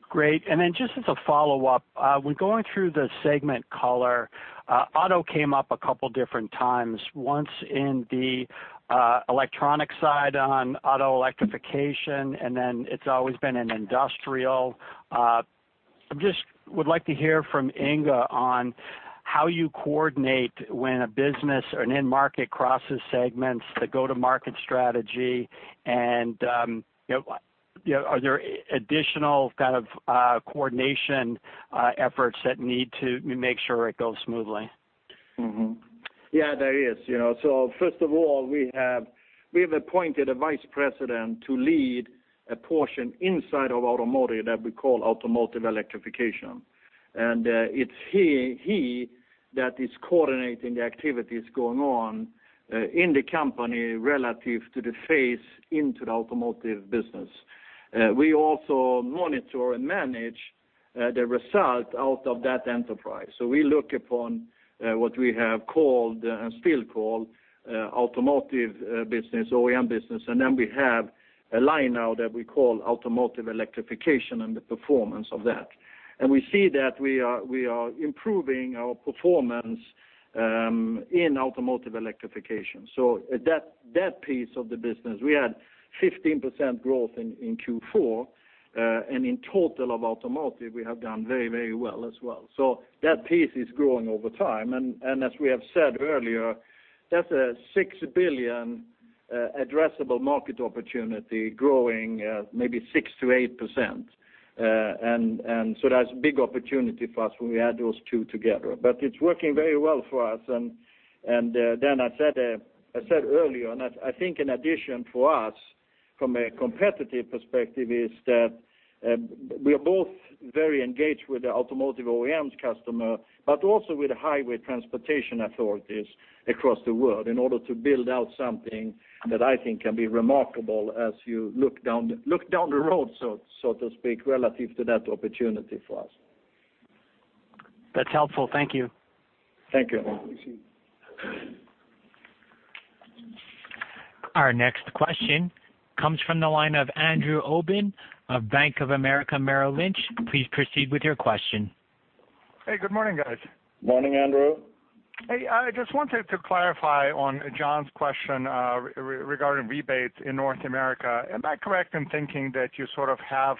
Great. Just as a follow-up, when going through the segment color, auto came up a couple different times, once in the electronic side on auto electrification, and then it's always been in industrial. I just would like to hear from Inge on how you coordinate when a business or an end market crosses segments, the go-to-market strategy, and are there additional kind of coordination efforts that need to make sure it goes smoothly? There is. First of all, we have appointed a vice president to lead a portion inside of automotive that we call automotive electrification. It's he that is coordinating the activities going on in the company relative to the phase into the automotive business. We also monitor and manage the result out of that enterprise. We look upon what we have called, and still call, automotive business, OEM business, and then we have a line now that we call automotive electrification and the performance of that. We see that we are improving our performance in automotive electrification. That piece of the business, we had 15% growth in Q4, and in total of automotive, we have done very well as well. That piece is growing over time, and as we have said earlier, that's a $6 billion addressable market opportunity growing maybe 6%-8%. That's a big opportunity for us when we add those two together. It's working very well for us, I said earlier, and I think in addition for us from a competitive perspective, is that we are both very engaged with the automotive OEM customer, also with highway transportation authorities across the world in order to build out something that I think can be remarkable as you look down the road, so to speak, relative to that opportunity for us. That's helpful. Thank you. Thank you. Our next question comes from the line of Andrew Obin of Bank of America Merrill Lynch. Please proceed with your question. Hey, good morning, guys. Morning, Andrew. Hey, I just wanted to clarify on John's question regarding rebates in North America. Am I correct in thinking that you sort of have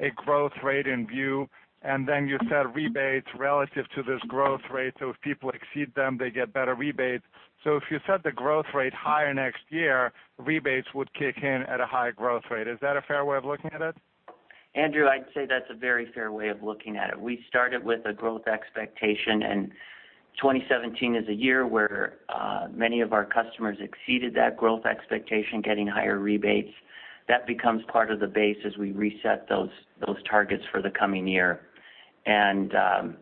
a growth rate in view, and then you set rebates relative to this growth rate, so if people exceed them, they get better rebates? If you set the growth rate higher next year, rebates would kick in at a higher growth rate. Is that a fair way of looking at it? Andrew, I'd say that's a very fair way of looking at it. We started with a growth expectation, 2017 is a year where many of our customers exceeded that growth expectation, getting higher rebates. That becomes part of the base as we reset those targets for the coming year. In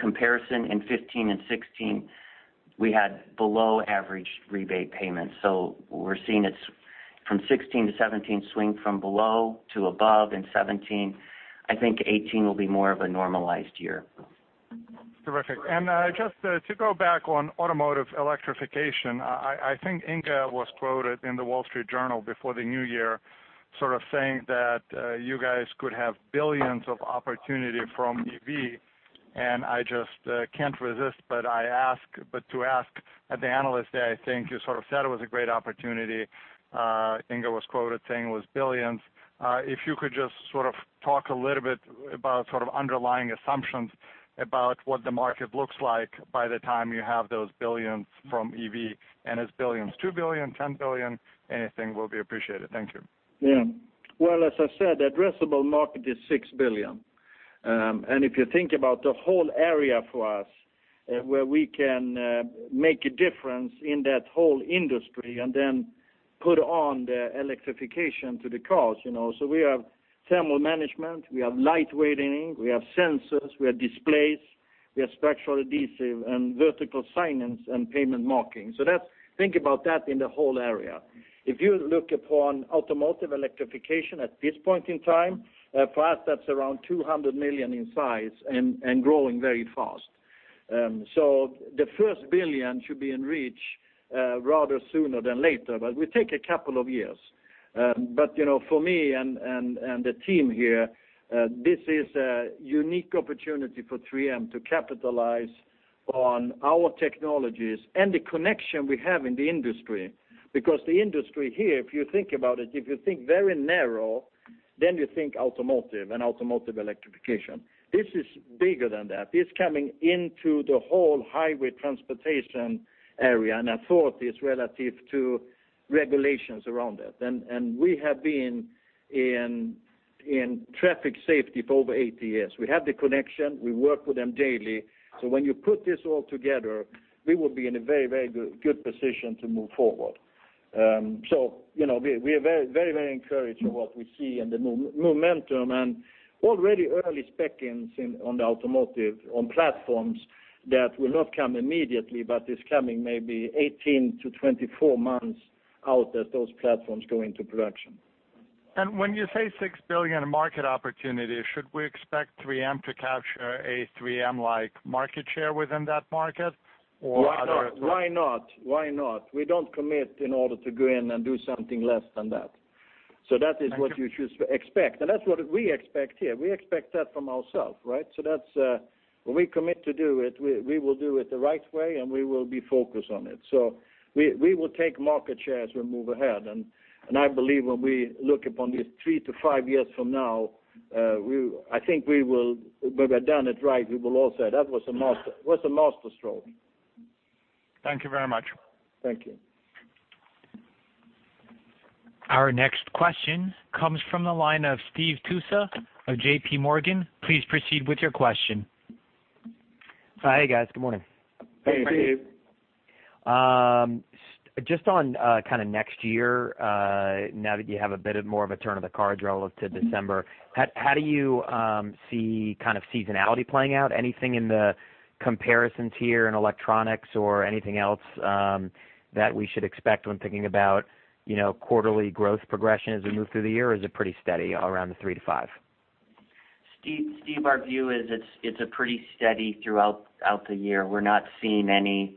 comparison, in 2015 and 2016, we had below average rebate payments. We're seeing it from 2016 to 2017 swing from below to above in 2017. I think 2018 will be more of a normalized year. Terrific. Just to go back on automotive electrification, I think Inge Thulin was quoted in The Wall Street Journal before the new year sort of saying that you guys could have $ billions of opportunity from EV. I just can't resist but to ask, at the Investor Day, I think you sort of said it was a great opportunity. Inge Thulin was quoted saying it was $ billions. If you could just sort of talk a little bit about sort of underlying assumptions about what the market looks like by the time you have those $ billions from EV, it's $2 billion, $10 billion, anything will be appreciated. Thank you. Well, as I said, addressable market is $6 billion. If you think about the whole area for us, where we can make a difference in that whole industry and then Put on the electrification to the cars. We have thermal management, we have lightweighting, we have sensors, we have displays, we have structural adhesive and vertical signage and pavement marking. Think about that in the whole area. If you look upon automotive electrification at this point in time, for us, that's around $200 million in size and growing very fast. The first $1 billion should be in reach rather sooner than later, but will take a couple of years. For me and the team here, this is a unique opportunity for 3M to capitalize on our technologies and the connection we have in the industry. Because the industry here, if you think about it, if you think very narrow, then you think automotive and automotive electrification. This is bigger than that. This is coming into the whole highway transportation area, and authorities relative to regulations around that. We have been in traffic safety for over 80 years. We have the connection. We work with them daily. When you put this all together, we will be in a very good position to move forward. We are very encouraged with what we see and the momentum and already early spec-ins on the automotive on platforms that will not come immediately, but it's coming maybe 18 to 24 months out as those platforms go into production. When you say $6 billion market opportunity, should we expect 3M to capture a 3M-like market share within that market? Why not? We don't commit in order to go in and do something less than that. Thank you. That is what you should expect, and that's what we expect here. We expect that from ourself, right? When we commit to do it, we will do it the right way, and we will be focused on it. We will take market share as we move ahead, and I believe when we look upon this 3 to 5 years from now, I think when we're done it right, we will all say that was a master stroke. Thank you very much. Thank you. Our next question comes from the line of Steve Tusa of JP Morgan. Please proceed with your question. Hi, guys. Good morning. Hey, Steve. Just on kind of next year, now that you have a bit of more of a turn of the cards relative to December, how do you see seasonality playing out? Anything in the comparisons here in electronics or anything else that we should expect when thinking about quarterly growth progression as we move through the year? Or is it pretty steady all around the 3%-5%? Steve, our view is it's pretty steady throughout the year. We're not seeing any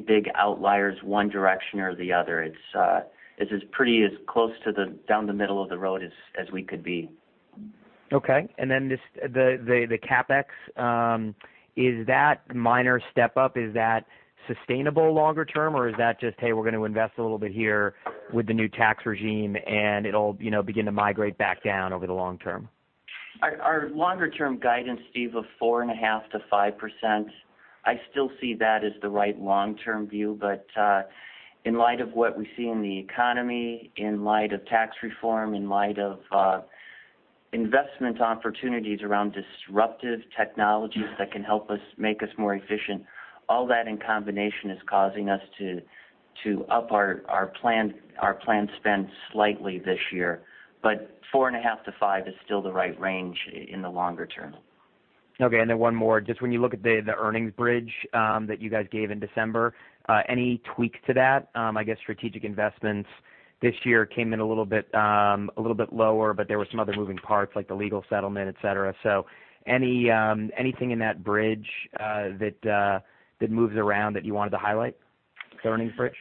big outliers one direction or the other. It's as pretty as close to down the middle of the road as we could be. Okay, the CapEx, is that minor step up, is that sustainable longer term, or is that just, hey, we're going to invest a little bit here with the new tax regime, and it'll begin to migrate back down over the long term? Our longer-term guidance, Steve, of 4.5%-5%, I still see that as the right long-term view. In light of what we see in the economy, in light of tax reform, in light of investment opportunities around disruptive technologies that can help us make us more efficient, all that in combination is causing us to up our planned spend slightly this year, but 4.5%-5% is still the right range in the longer term. One more. When you look at the earnings bridge that you guys gave in December, any tweaks to that? I guess strategic investments this year came in a little bit lower, there were some other moving parts, like the legal settlement, et cetera. Anything in that bridge that moves around that you wanted to highlight? The earnings bridge?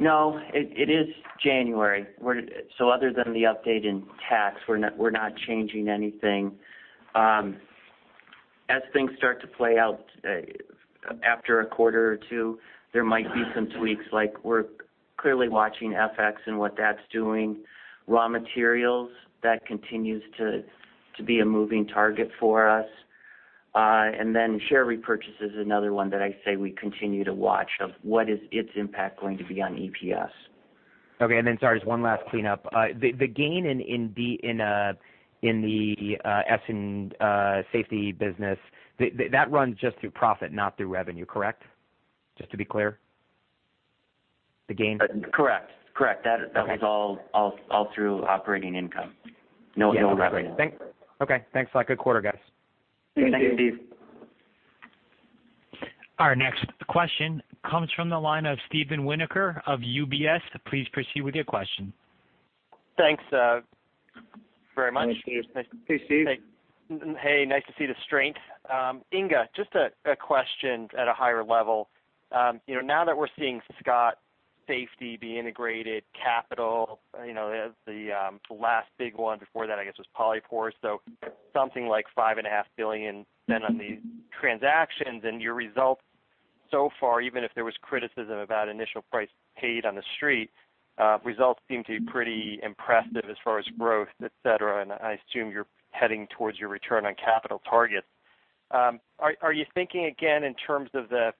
No, it is January. Other than the update in tax, we're not changing anything. As things start to play out after a quarter or two, there might be some tweaks. We're clearly watching FX and what that's doing. Raw materials, that continues to be a moving target for us. Share repurchase is another one that I say we continue to watch of what is its impact going to be on EPS. Sorry, just one last cleanup. The gain in the Safety business, that runs just through profit, not through revenue, correct? Just to be clear. The gain. Correct. Okay. That was all through operating income. No revenue. Okay. Thanks a lot. Good quarter, guys. Thank you. Thank you, Steve. Our next question comes from the line of Steven Winoker of UBS. Please proceed with your question. Thanks very much. Hey, Steve. Hey, nice to see the strength. Inge, just a question at a higher level. Now that we're seeing Scott Safety be integrated Capital Safety, the last big one before that, I guess, was Polypore, so something like $5.5 billion spent on these transactions, and your results so far, even if there was criticism about initial price paid on the street, results seem to be pretty impressive as far as growth, et cetera, and I assume you're heading towards your return on capital targets. Are you thinking again in terms of the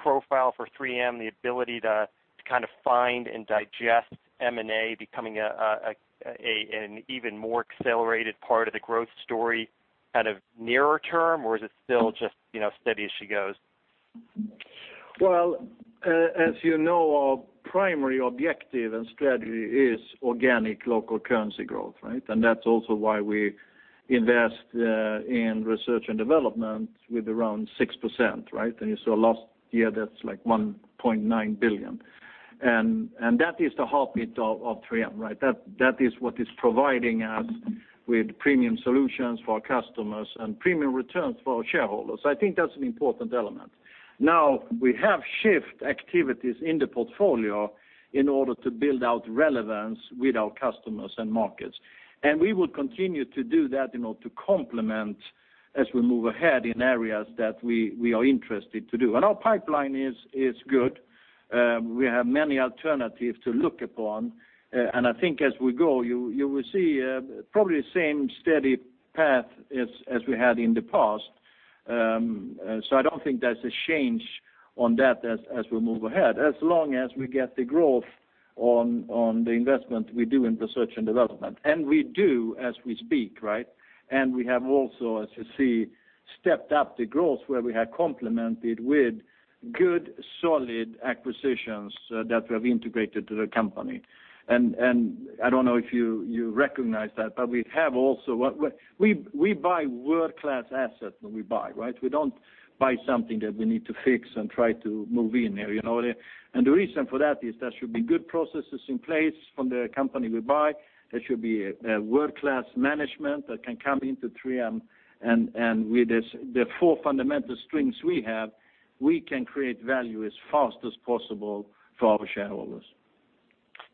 profile for 3M, the ability to kind of find and digest M&A becoming an even more accelerated part of the growth story kind of nearer term, or is it still just steady as she goes? Well, as you know, our primary objective and strategy is organic local currency growth, right? That's also why we invest in research and development with around 6%, right? You saw last year, that's like $1.9 billion. That is the heartbeat of 3M, right? That is what is providing us with premium solutions for our customers and premium returns for our shareholders. I think that's an important element. Now, we have shift activities in the portfolio in order to build out relevance with our customers and markets. We will continue to do that in order to complement as we move ahead in areas that we are interested to do. Our pipeline is good. We have many alternatives to look upon, and I think as we go, you will see probably the same steady path as we had in the past. I don't think there's a change on that as we move ahead, as long as we get the growth on the investment we do in research and development. We do as we speak, right? We have also, as you see, stepped up the growth where we have complemented with good, solid acquisitions that we have integrated to the company. I don't know if you recognize that, but we buy world-class assets when we buy, right? We don't buy something that we need to fix and try to move in there. The reason for that is there should be good processes in place from the company we buy. There should be a world-class management that can come into 3M, and with the four fundamental strengths we have, we can create value as fast as possible for our shareholders.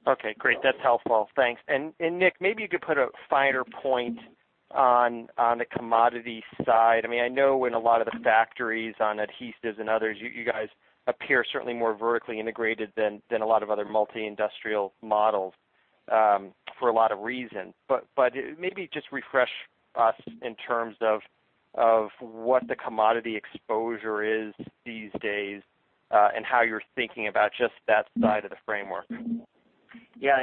Okay, great. That's helpful. Thanks. Nick, maybe you could put a finer point on the commodity side. I know in a lot of the factories on adhesives and others, you guys appear certainly more vertically integrated than a lot of other multi-industrial models for a lot of reasons. Maybe just refresh us in terms of what the commodity exposure is these days, and how you're thinking about just that side of the framework. Yeah.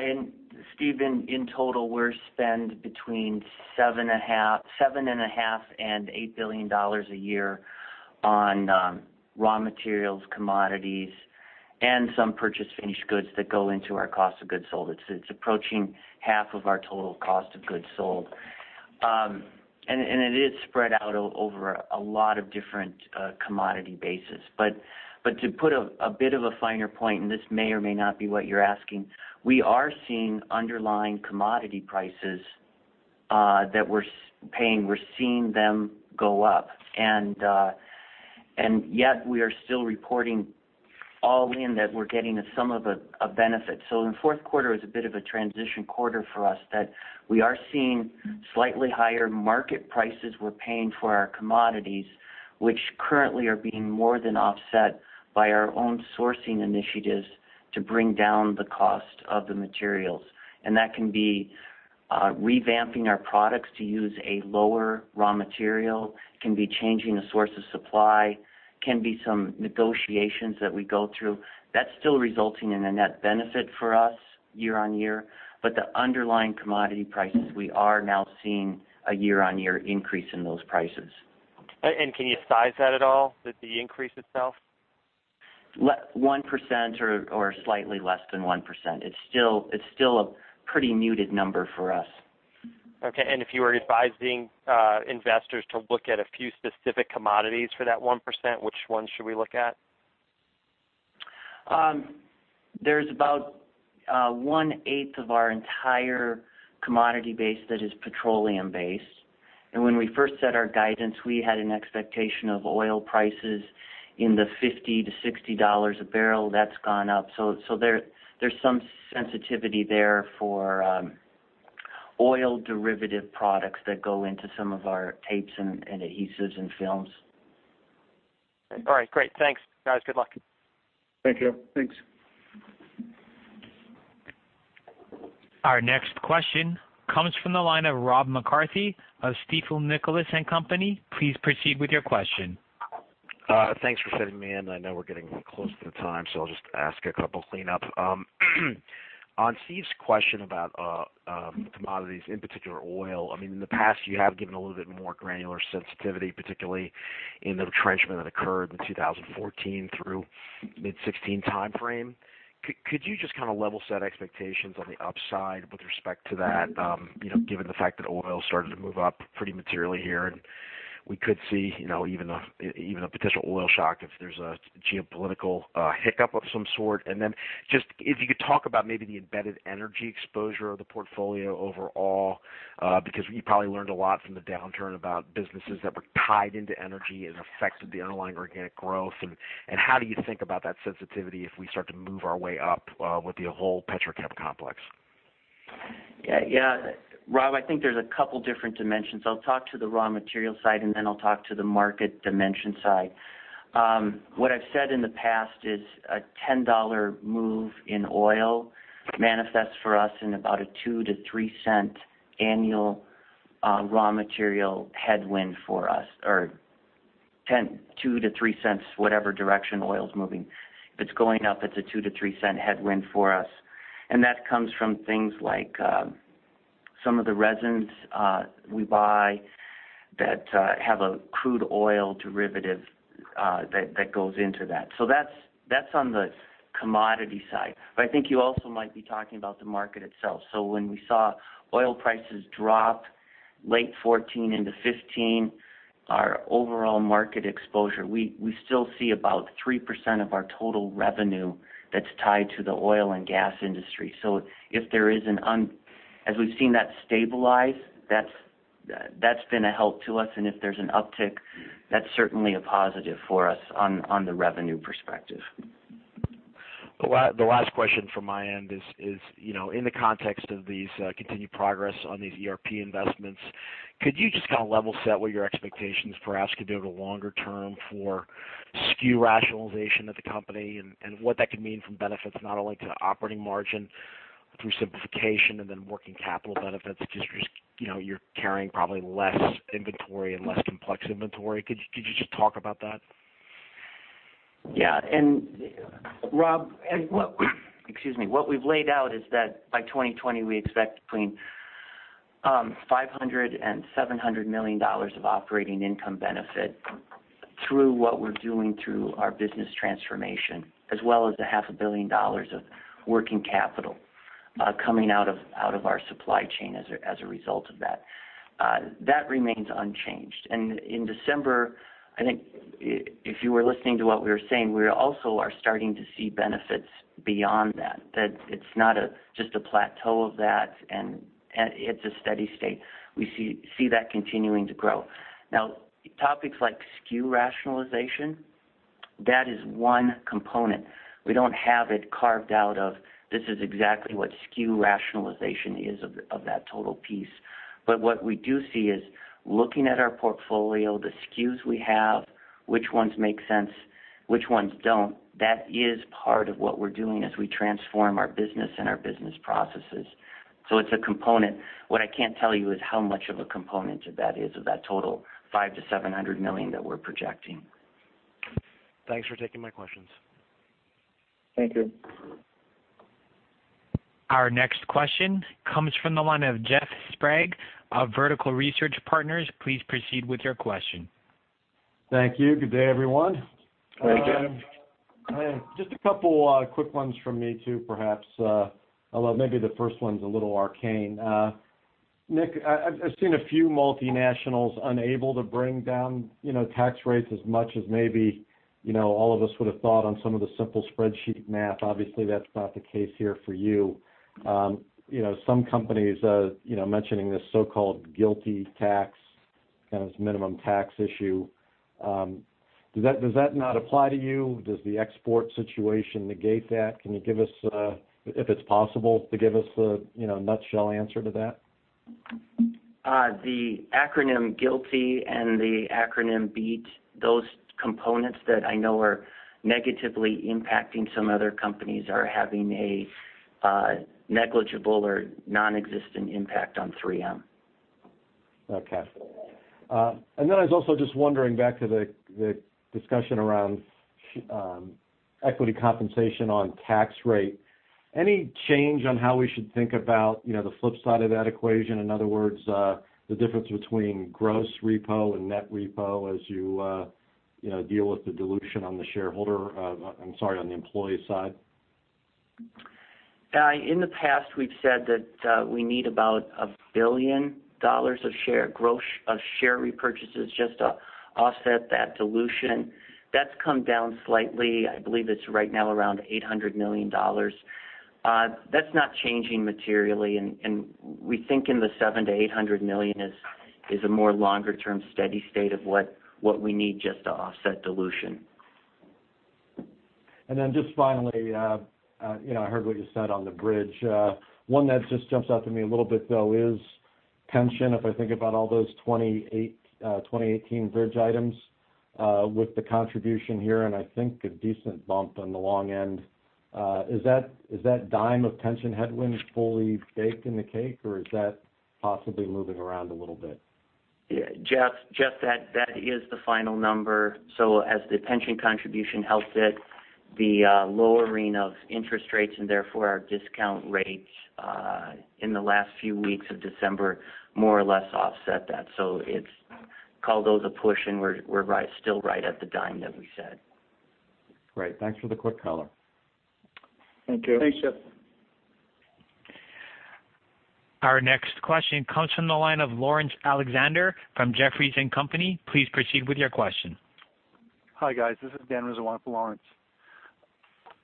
Steve, in total, we spend between $7.5 billion and $8 billion a year on raw materials, commodities, and some purchased finished goods that go into our cost of goods sold. It's approaching half of our total cost of goods sold. It is spread out over a lot of different commodity bases. To put a bit of a finer point, and this may or may not be what you're asking, we are seeing underlying commodity prices that we're paying, we're seeing them go up. Yet we are still reporting all in that we're getting some of a benefit. In Q4 is a bit of a transition quarter for us that we are seeing slightly higher market prices we're paying for our commodities, which currently are being more than offset by our own sourcing initiatives to bring down the cost of the materials. That can be revamping our products to use a lower raw material, it can be changing a source of supply, it can be some negotiations that we go through. That is still resulting in a net benefit for us year-on-year. The underlying commodity prices, we are now seeing a year-on-year increase in those prices. Can you size that at all, the increase itself? 1% or slightly less than 1%. It is still a pretty muted number for us. Okay, if you were advising investors to look at a few specific commodities for that 1%, which ones should we look at? There's about one eighth of our entire commodity base that is petroleum based. When we first set our guidance, we had an expectation of oil prices in the $50-$60 a barrel. That's gone up. There's some sensitivity there for oil derivative products that go into some of our tapes and adhesives and films. All right, great. Thanks. Guys, good luck. Thank you. Thanks. Our next question comes from the line of Rob McCarthy of Stifel Nicolaus & Company. Please proceed with your question. Thanks for fitting me in. I know we're getting close to the time, so I'll just ask a couple cleanup. On Steve Tusa's question about commodities, in particular oil, in the past you have given a little bit more granular sensitivity, particularly in the retrenchment that occurred in 2014 through mid 2016 timeframe. Could you just kind of level set expectations on the upside with respect to that, given the fact that oil started to move up pretty materially here, and we could see even a potential oil shock if there's a geopolitical hiccup of some sort? Just if you could talk about maybe the embedded energy exposure of the portfolio overall, because you probably learned a lot from the downturn about businesses that were tied into energy and affected the underlying organic growth, and how do you think about that sensitivity if we start to move our way up with the whole petrochem complex? Yeah. Rob McCarthy, I think there's a couple different dimensions. I'll talk to the raw material side, and then I'll talk to the market dimension side. What I've said in the past is a $10 move in oil manifests for us in about a $0.02-$0.03 annual raw material headwind for us, or $0.02-$0.03, whatever direction oil's moving. If it's going up, it's a $0.02-$0.03 headwind for us. That comes from things like some of the resins we buy have a crude oil derivative that goes into that. That's on the commodity side. I think you also might be talking about the market itself. When we saw oil prices drop late 2014 into 2015, our overall market exposure, we still see about 3% of our total revenue that's tied to the oil and gas industry. As we've seen that stabilize, that's been a help to us, and if there's an uptick, that's certainly a positive for us on the revenue perspective. The last question from my end is in the context of these continued progress on these ERP investments, could you just kind of level set what your expectations perhaps could be over the longer term for SKU rationalization of the company and what that could mean from benefits not only to operating margin through simplification and then working capital benefits, just you're carrying probably less inventory and less complex inventory. Could you just talk about that? Yeah. Rob, what we've laid out is that by 2020, we expect between $500 million-$700 million of operating income benefit through what we're doing through our business transformation, as well as the half a billion dollars of working capital coming out of our supply chain as a result of that. That remains unchanged. In December, I think if you were listening to what we were saying, we also are starting to see benefits beyond that it's not just a plateau of that, and it's a steady state. We see that continuing to grow. Topics like SKU rationalization, that is one component. We don't have it carved out of, this is exactly what SKU rationalization is of that total piece. What we do see is looking at our portfolio, the SKUs we have, which ones make sense, which ones don't. That is part of what we're doing as we transform our business and our business processes. It's a component. What I can't tell you is how much of a component of that is of that total $500 million-$700 million that we're projecting. Thanks for taking my questions. Thank you. Our next question comes from the line of Jeff Sprague of Vertical Research Partners. Please proceed with your question. Thank you. Good day, everyone. Hey, Jeff. Just a couple quick ones from me, too, perhaps, although maybe the first one's a little arcane. Nick, I've seen a few multinationals unable to bring down tax rates as much as maybe all of us would have thought on some of the simple spreadsheet math. Obviously, that's not the case here for you. Some companies mentioning this so-called GILTI tax, kind of this minimum tax issue. Does that not apply to you? Does the export situation negate that? Can you give us, if it's possible, to give us a nutshell answer to that? The acronym GILTI and the acronym BEAT, those components that I know are negatively impacting some other companies are having a negligible or nonexistent impact on 3M. Okay. Then I was also just wondering back to the discussion around equity compensation on tax rate. Any change on how we should think about the flip side of that equation? In other words, the difference between gross repo and net repo as you deal with the dilution on the shareholder, I'm sorry, on the employee side? In the past, we've said that we need about $1 billion of share repurchases just to offset that dilution. That's come down slightly. I believe it's right now around $800 million. That's not changing materially, and we think in the $700 million-$800 million is a more longer-term steady state of what we need just to offset dilution. Just finally, I heard what you said on the bridge. One that just jumps out to me a little bit, though, is pension. If I think about all those 2018 bridge items with the contribution here, and I think a decent bump on the long end. Is that $0.10 of pension headwinds fully baked in the cake, or is that possibly moving around a little bit? Jeff, that is the final number. As the pension contribution helps it, the lowering of interest rates and therefore our discount rates in the last few weeks of December more or less offset that. It's call those a push and we're still right at the $0.10 that we said. Great. Thanks for the quick color. Thank you. Thanks, Jeff. Our next question comes from the line of Laurence Alexander from Jefferies & Company. Please proceed with your question. Hi, guys. This is Dan Rizwan for Laurence.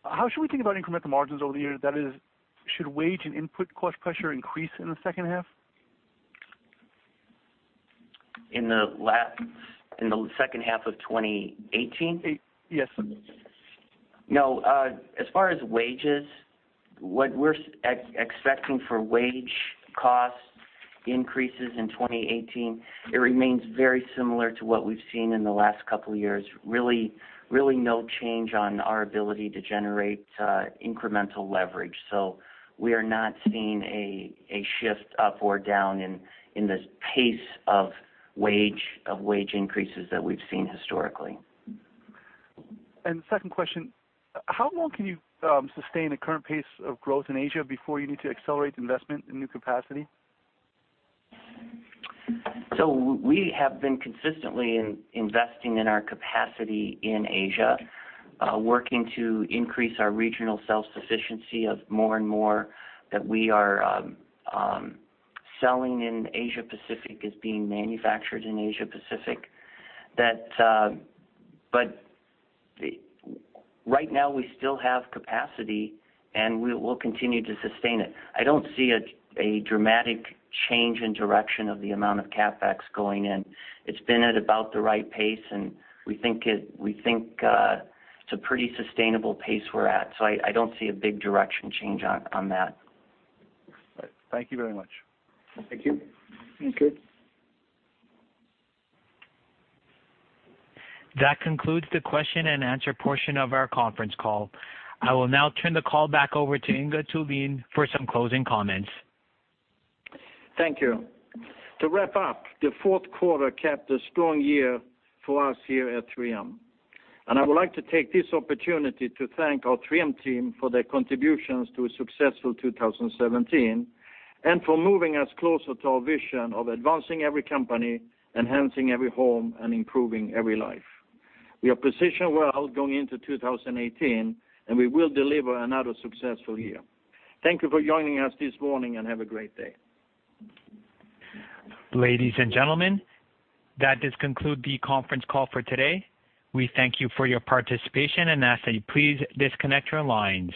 How should we think about incremental margins over the year? That is, should wage and input cost pressure increase in the second half? In the second half of 2018? Yes. No. As far as wages, what we're expecting for wage cost increases in 2018, it remains very similar to what we've seen in the last couple of years. Really no change on our ability to generate incremental leverage. We are not seeing a shift up or down in this pace of wage increases that we've seen historically. The second question, how long can you sustain the current pace of growth in Asia before you need to accelerate investment in new capacity? We have been consistently investing in our capacity in Asia, working to increase our regional self-sufficiency of more and more that we are selling in Asia Pacific is being manufactured in Asia Pacific. Right now, we still have capacity, and we will continue to sustain it. I don't see a dramatic change in direction of the amount of CapEx going in. It's been at about the right pace, and we think it's a pretty sustainable pace we're at. I don't see a big direction change on that. Thank you very much. Thank you. Thank you. That concludes the question and answer portion of our conference call. I will now turn the call back over to Inge Thulin for some closing comments. Thank you. To wrap up, the fourth quarter kept a strong year for us here at 3M. I would like to take this opportunity to thank our 3M team for their contributions to a successful 2017 and for moving us closer to our vision of advancing every company, enhancing every home, and improving every life. We are positioned well going into 2018, and we will deliver another successful year. Thank you for joining us this morning, and have a great day. Ladies and gentlemen, that does conclude the conference call for today. We thank you for your participation and ask that you please disconnect your lines.